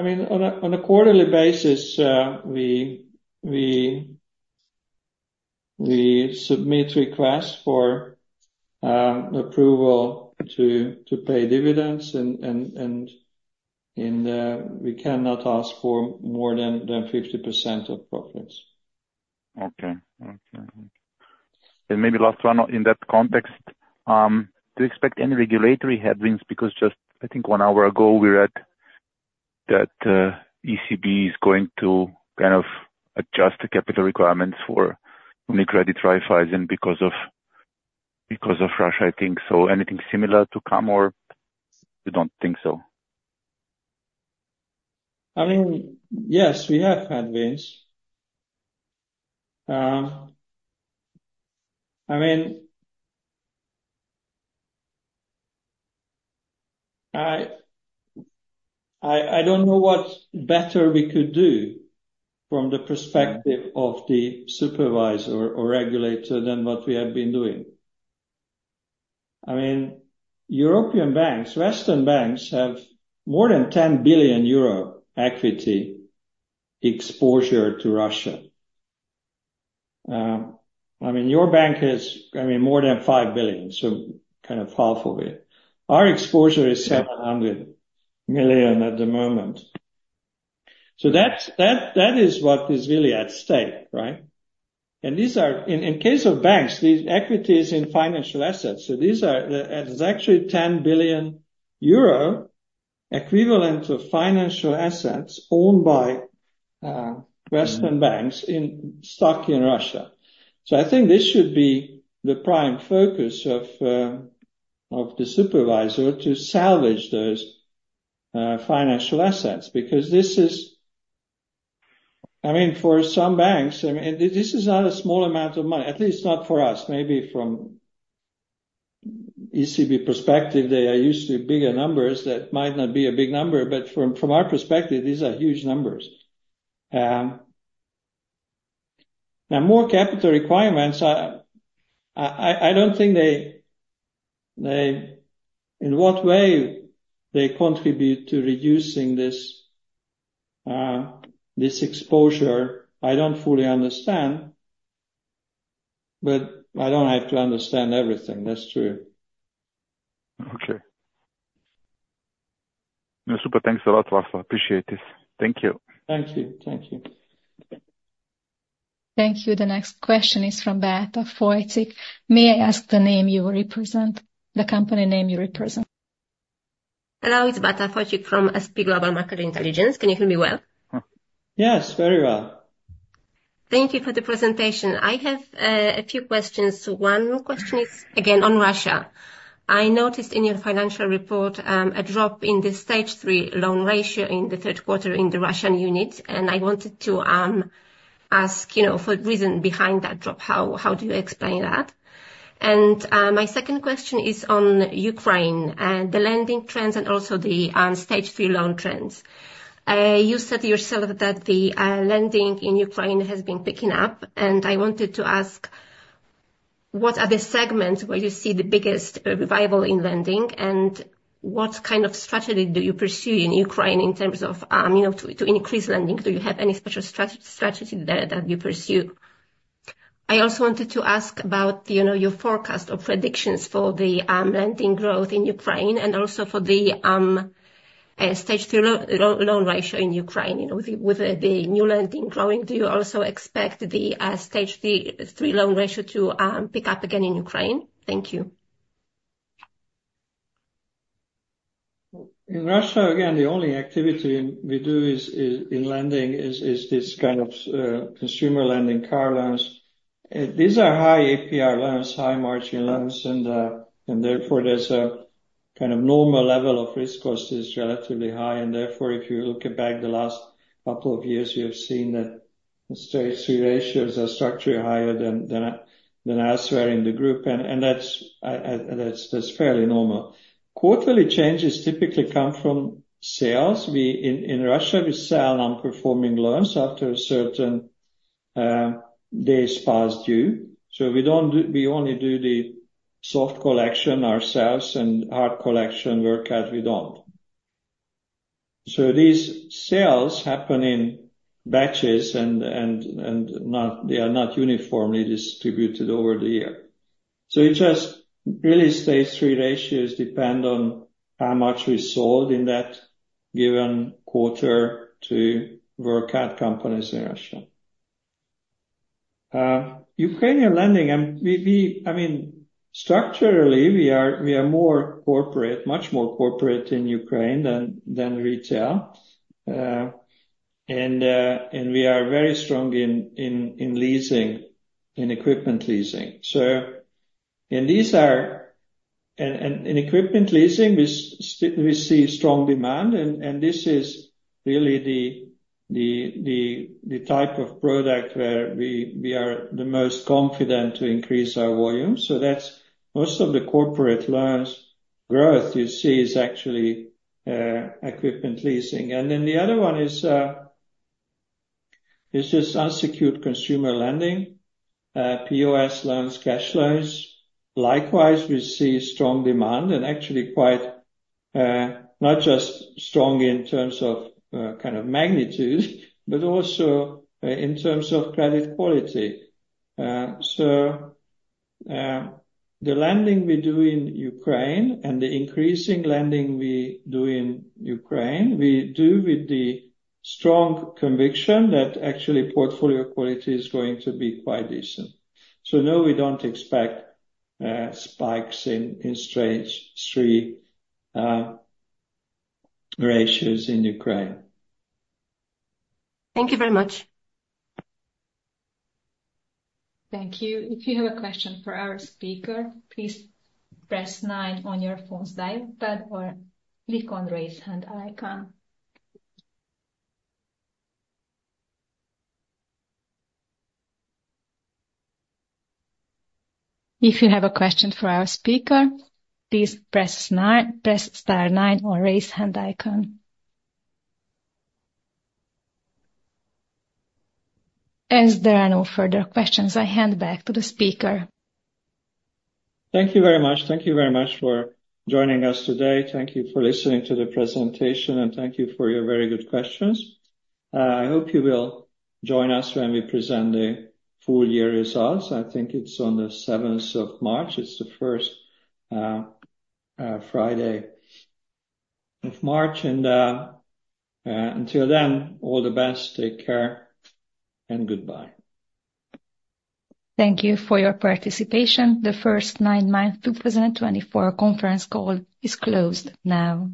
B: mean, on a quarterly basis, we submit requests for approval to pay dividends. And we cannot ask for more than 50% of profits.
J: Okay. Maybe last one in that context, do you expect any regulatory headwinds? Because just, I think, one hour ago, we read that ECB is going to kind of adjust the capital requirements for UniCredit Raiffeisen because of Russia, I think. So anything similar to come or you don't think so?
B: I mean, yes, we have headwinds. I mean, I don't know what better we could do from the perspective of the supervisor or regulator than what we have been doing. I mean, European banks, Western banks have more than 10 billion euro equity exposure to Russia. I mean, your bank has, I mean, more than 5 billion, so kind of half of it. Our exposure is 700 million at the moment. So that is what is really at stake, right? And in case of banks, these equities in financial assets, so these are actually 10 billion euro equivalent of financial assets owned by Western banks stuck in Russia. So I think this should be the prime focus of the supervisor to salvage those financial assets because this is, I mean, for some banks, I mean, this is not a small amount of money. At least not for us. Maybe from ECB perspective, they are used to bigger numbers that might not be a big number. But from our perspective, these are huge numbers. Now, more capital requirements, I don't think they in what way they contribute to reducing this exposure, I don't fully understand. But I don't have to understand everything. That's true.
J: Okay. Super. Thanks a lot, Marco. I appreciate this. Thank you.
B: Thank you. Thank you.
A: Thank you. The next question is from Beata Fojcik. May I ask the name you represent, the company name you represent?
K: Hello. It's Beata Fojcik from S&P Global Market Intelligence. Can you hear me well?
B: Yes, very well.
K: Thank you for the presentation. I have a few questions. One question is, again, on Russia. I noticed in your financial report a drop in the stage three loan ratio in the Q3 in the Russian unit. And I wanted to ask for the reason behind that drop. How do you explain that? And my second question is on Ukraine, the lending trends and also the stage three loan trends. You said to yourself that the lending in Ukraine has been picking up. And I wanted to ask what are the segments where you see the biggest revival in lending and what kind of strategy do you pursue in Ukraine in terms of to increase lending? Do you have any special strategy there that you pursue? I also wanted to ask about your forecast or predictions for the lending growth in Ukraine and also for the Stage 3 loan ratio in Ukraine. With the new lending growing, do you also expect the Stage 3 loan ratio to pick up again in Ukraine? Thank you.
B: In Russia, again, the only activity we do in lending is this kind of consumer lending, car loans. These are high APR loans, high margin loans. And therefore, there's a kind of normal level of risk cost is relatively high. And therefore, if you look back the last couple of years, you have seen that Stage 3 ratios are structurally higher than elsewhere in the group. And that's fairly normal. Quarterly changes typically come from sales. In Russia, we sell non-performing loans after a certain days past due. So we only do the soft collection ourselves and hard collection work that we don't. So these sales happen in batches and they are not uniformly distributed over the year. So it just really Stage 3 ratios depend on how much we sold in that given quarter to work at companies in Russia. Ukrainian lending, I mean, structurally, we are much more corporate in Ukraine than retail. And we are very strong in leasing, in equipment leasing. And in equipment leasing, we see strong demand. And this is really the type of product where we are the most confident to increase our volume. So most of the corporate loans growth you see is actually equipment leasing. And then the other one is just unsecured consumer lending, POS loans, cash loans. Likewise, we see strong demand and actually quite not just strong in terms of kind of magnitude, but also in terms of credit quality. So the lending we do in Ukraine and the increasing lending we do in Ukraine, we do with the strong conviction that actually portfolio quality is going to be quite decent. So no, we don't expect spikes in stage three ratios in Ukraine.
K: Thank you very much.
A: Thank you. If you have a question for our speaker, please press 9 on your phone's dial pad or click on raise hand icon. If you have a question for our speaker, please press star 9 or raise hand icon. As there are no further questions, I hand back to the speaker.
B: Thank you very much. Thank you very much for joining us today. Thank you for listening to the presentation. And thank you for your very good questions. I hope you will join us when we present the full year results. I think it's on the 7th of March. It's the first Friday of March, and until then, all the best. Take care and goodbye.
A: Thank you for your participation. The first nine months 2024 conference call is closed now.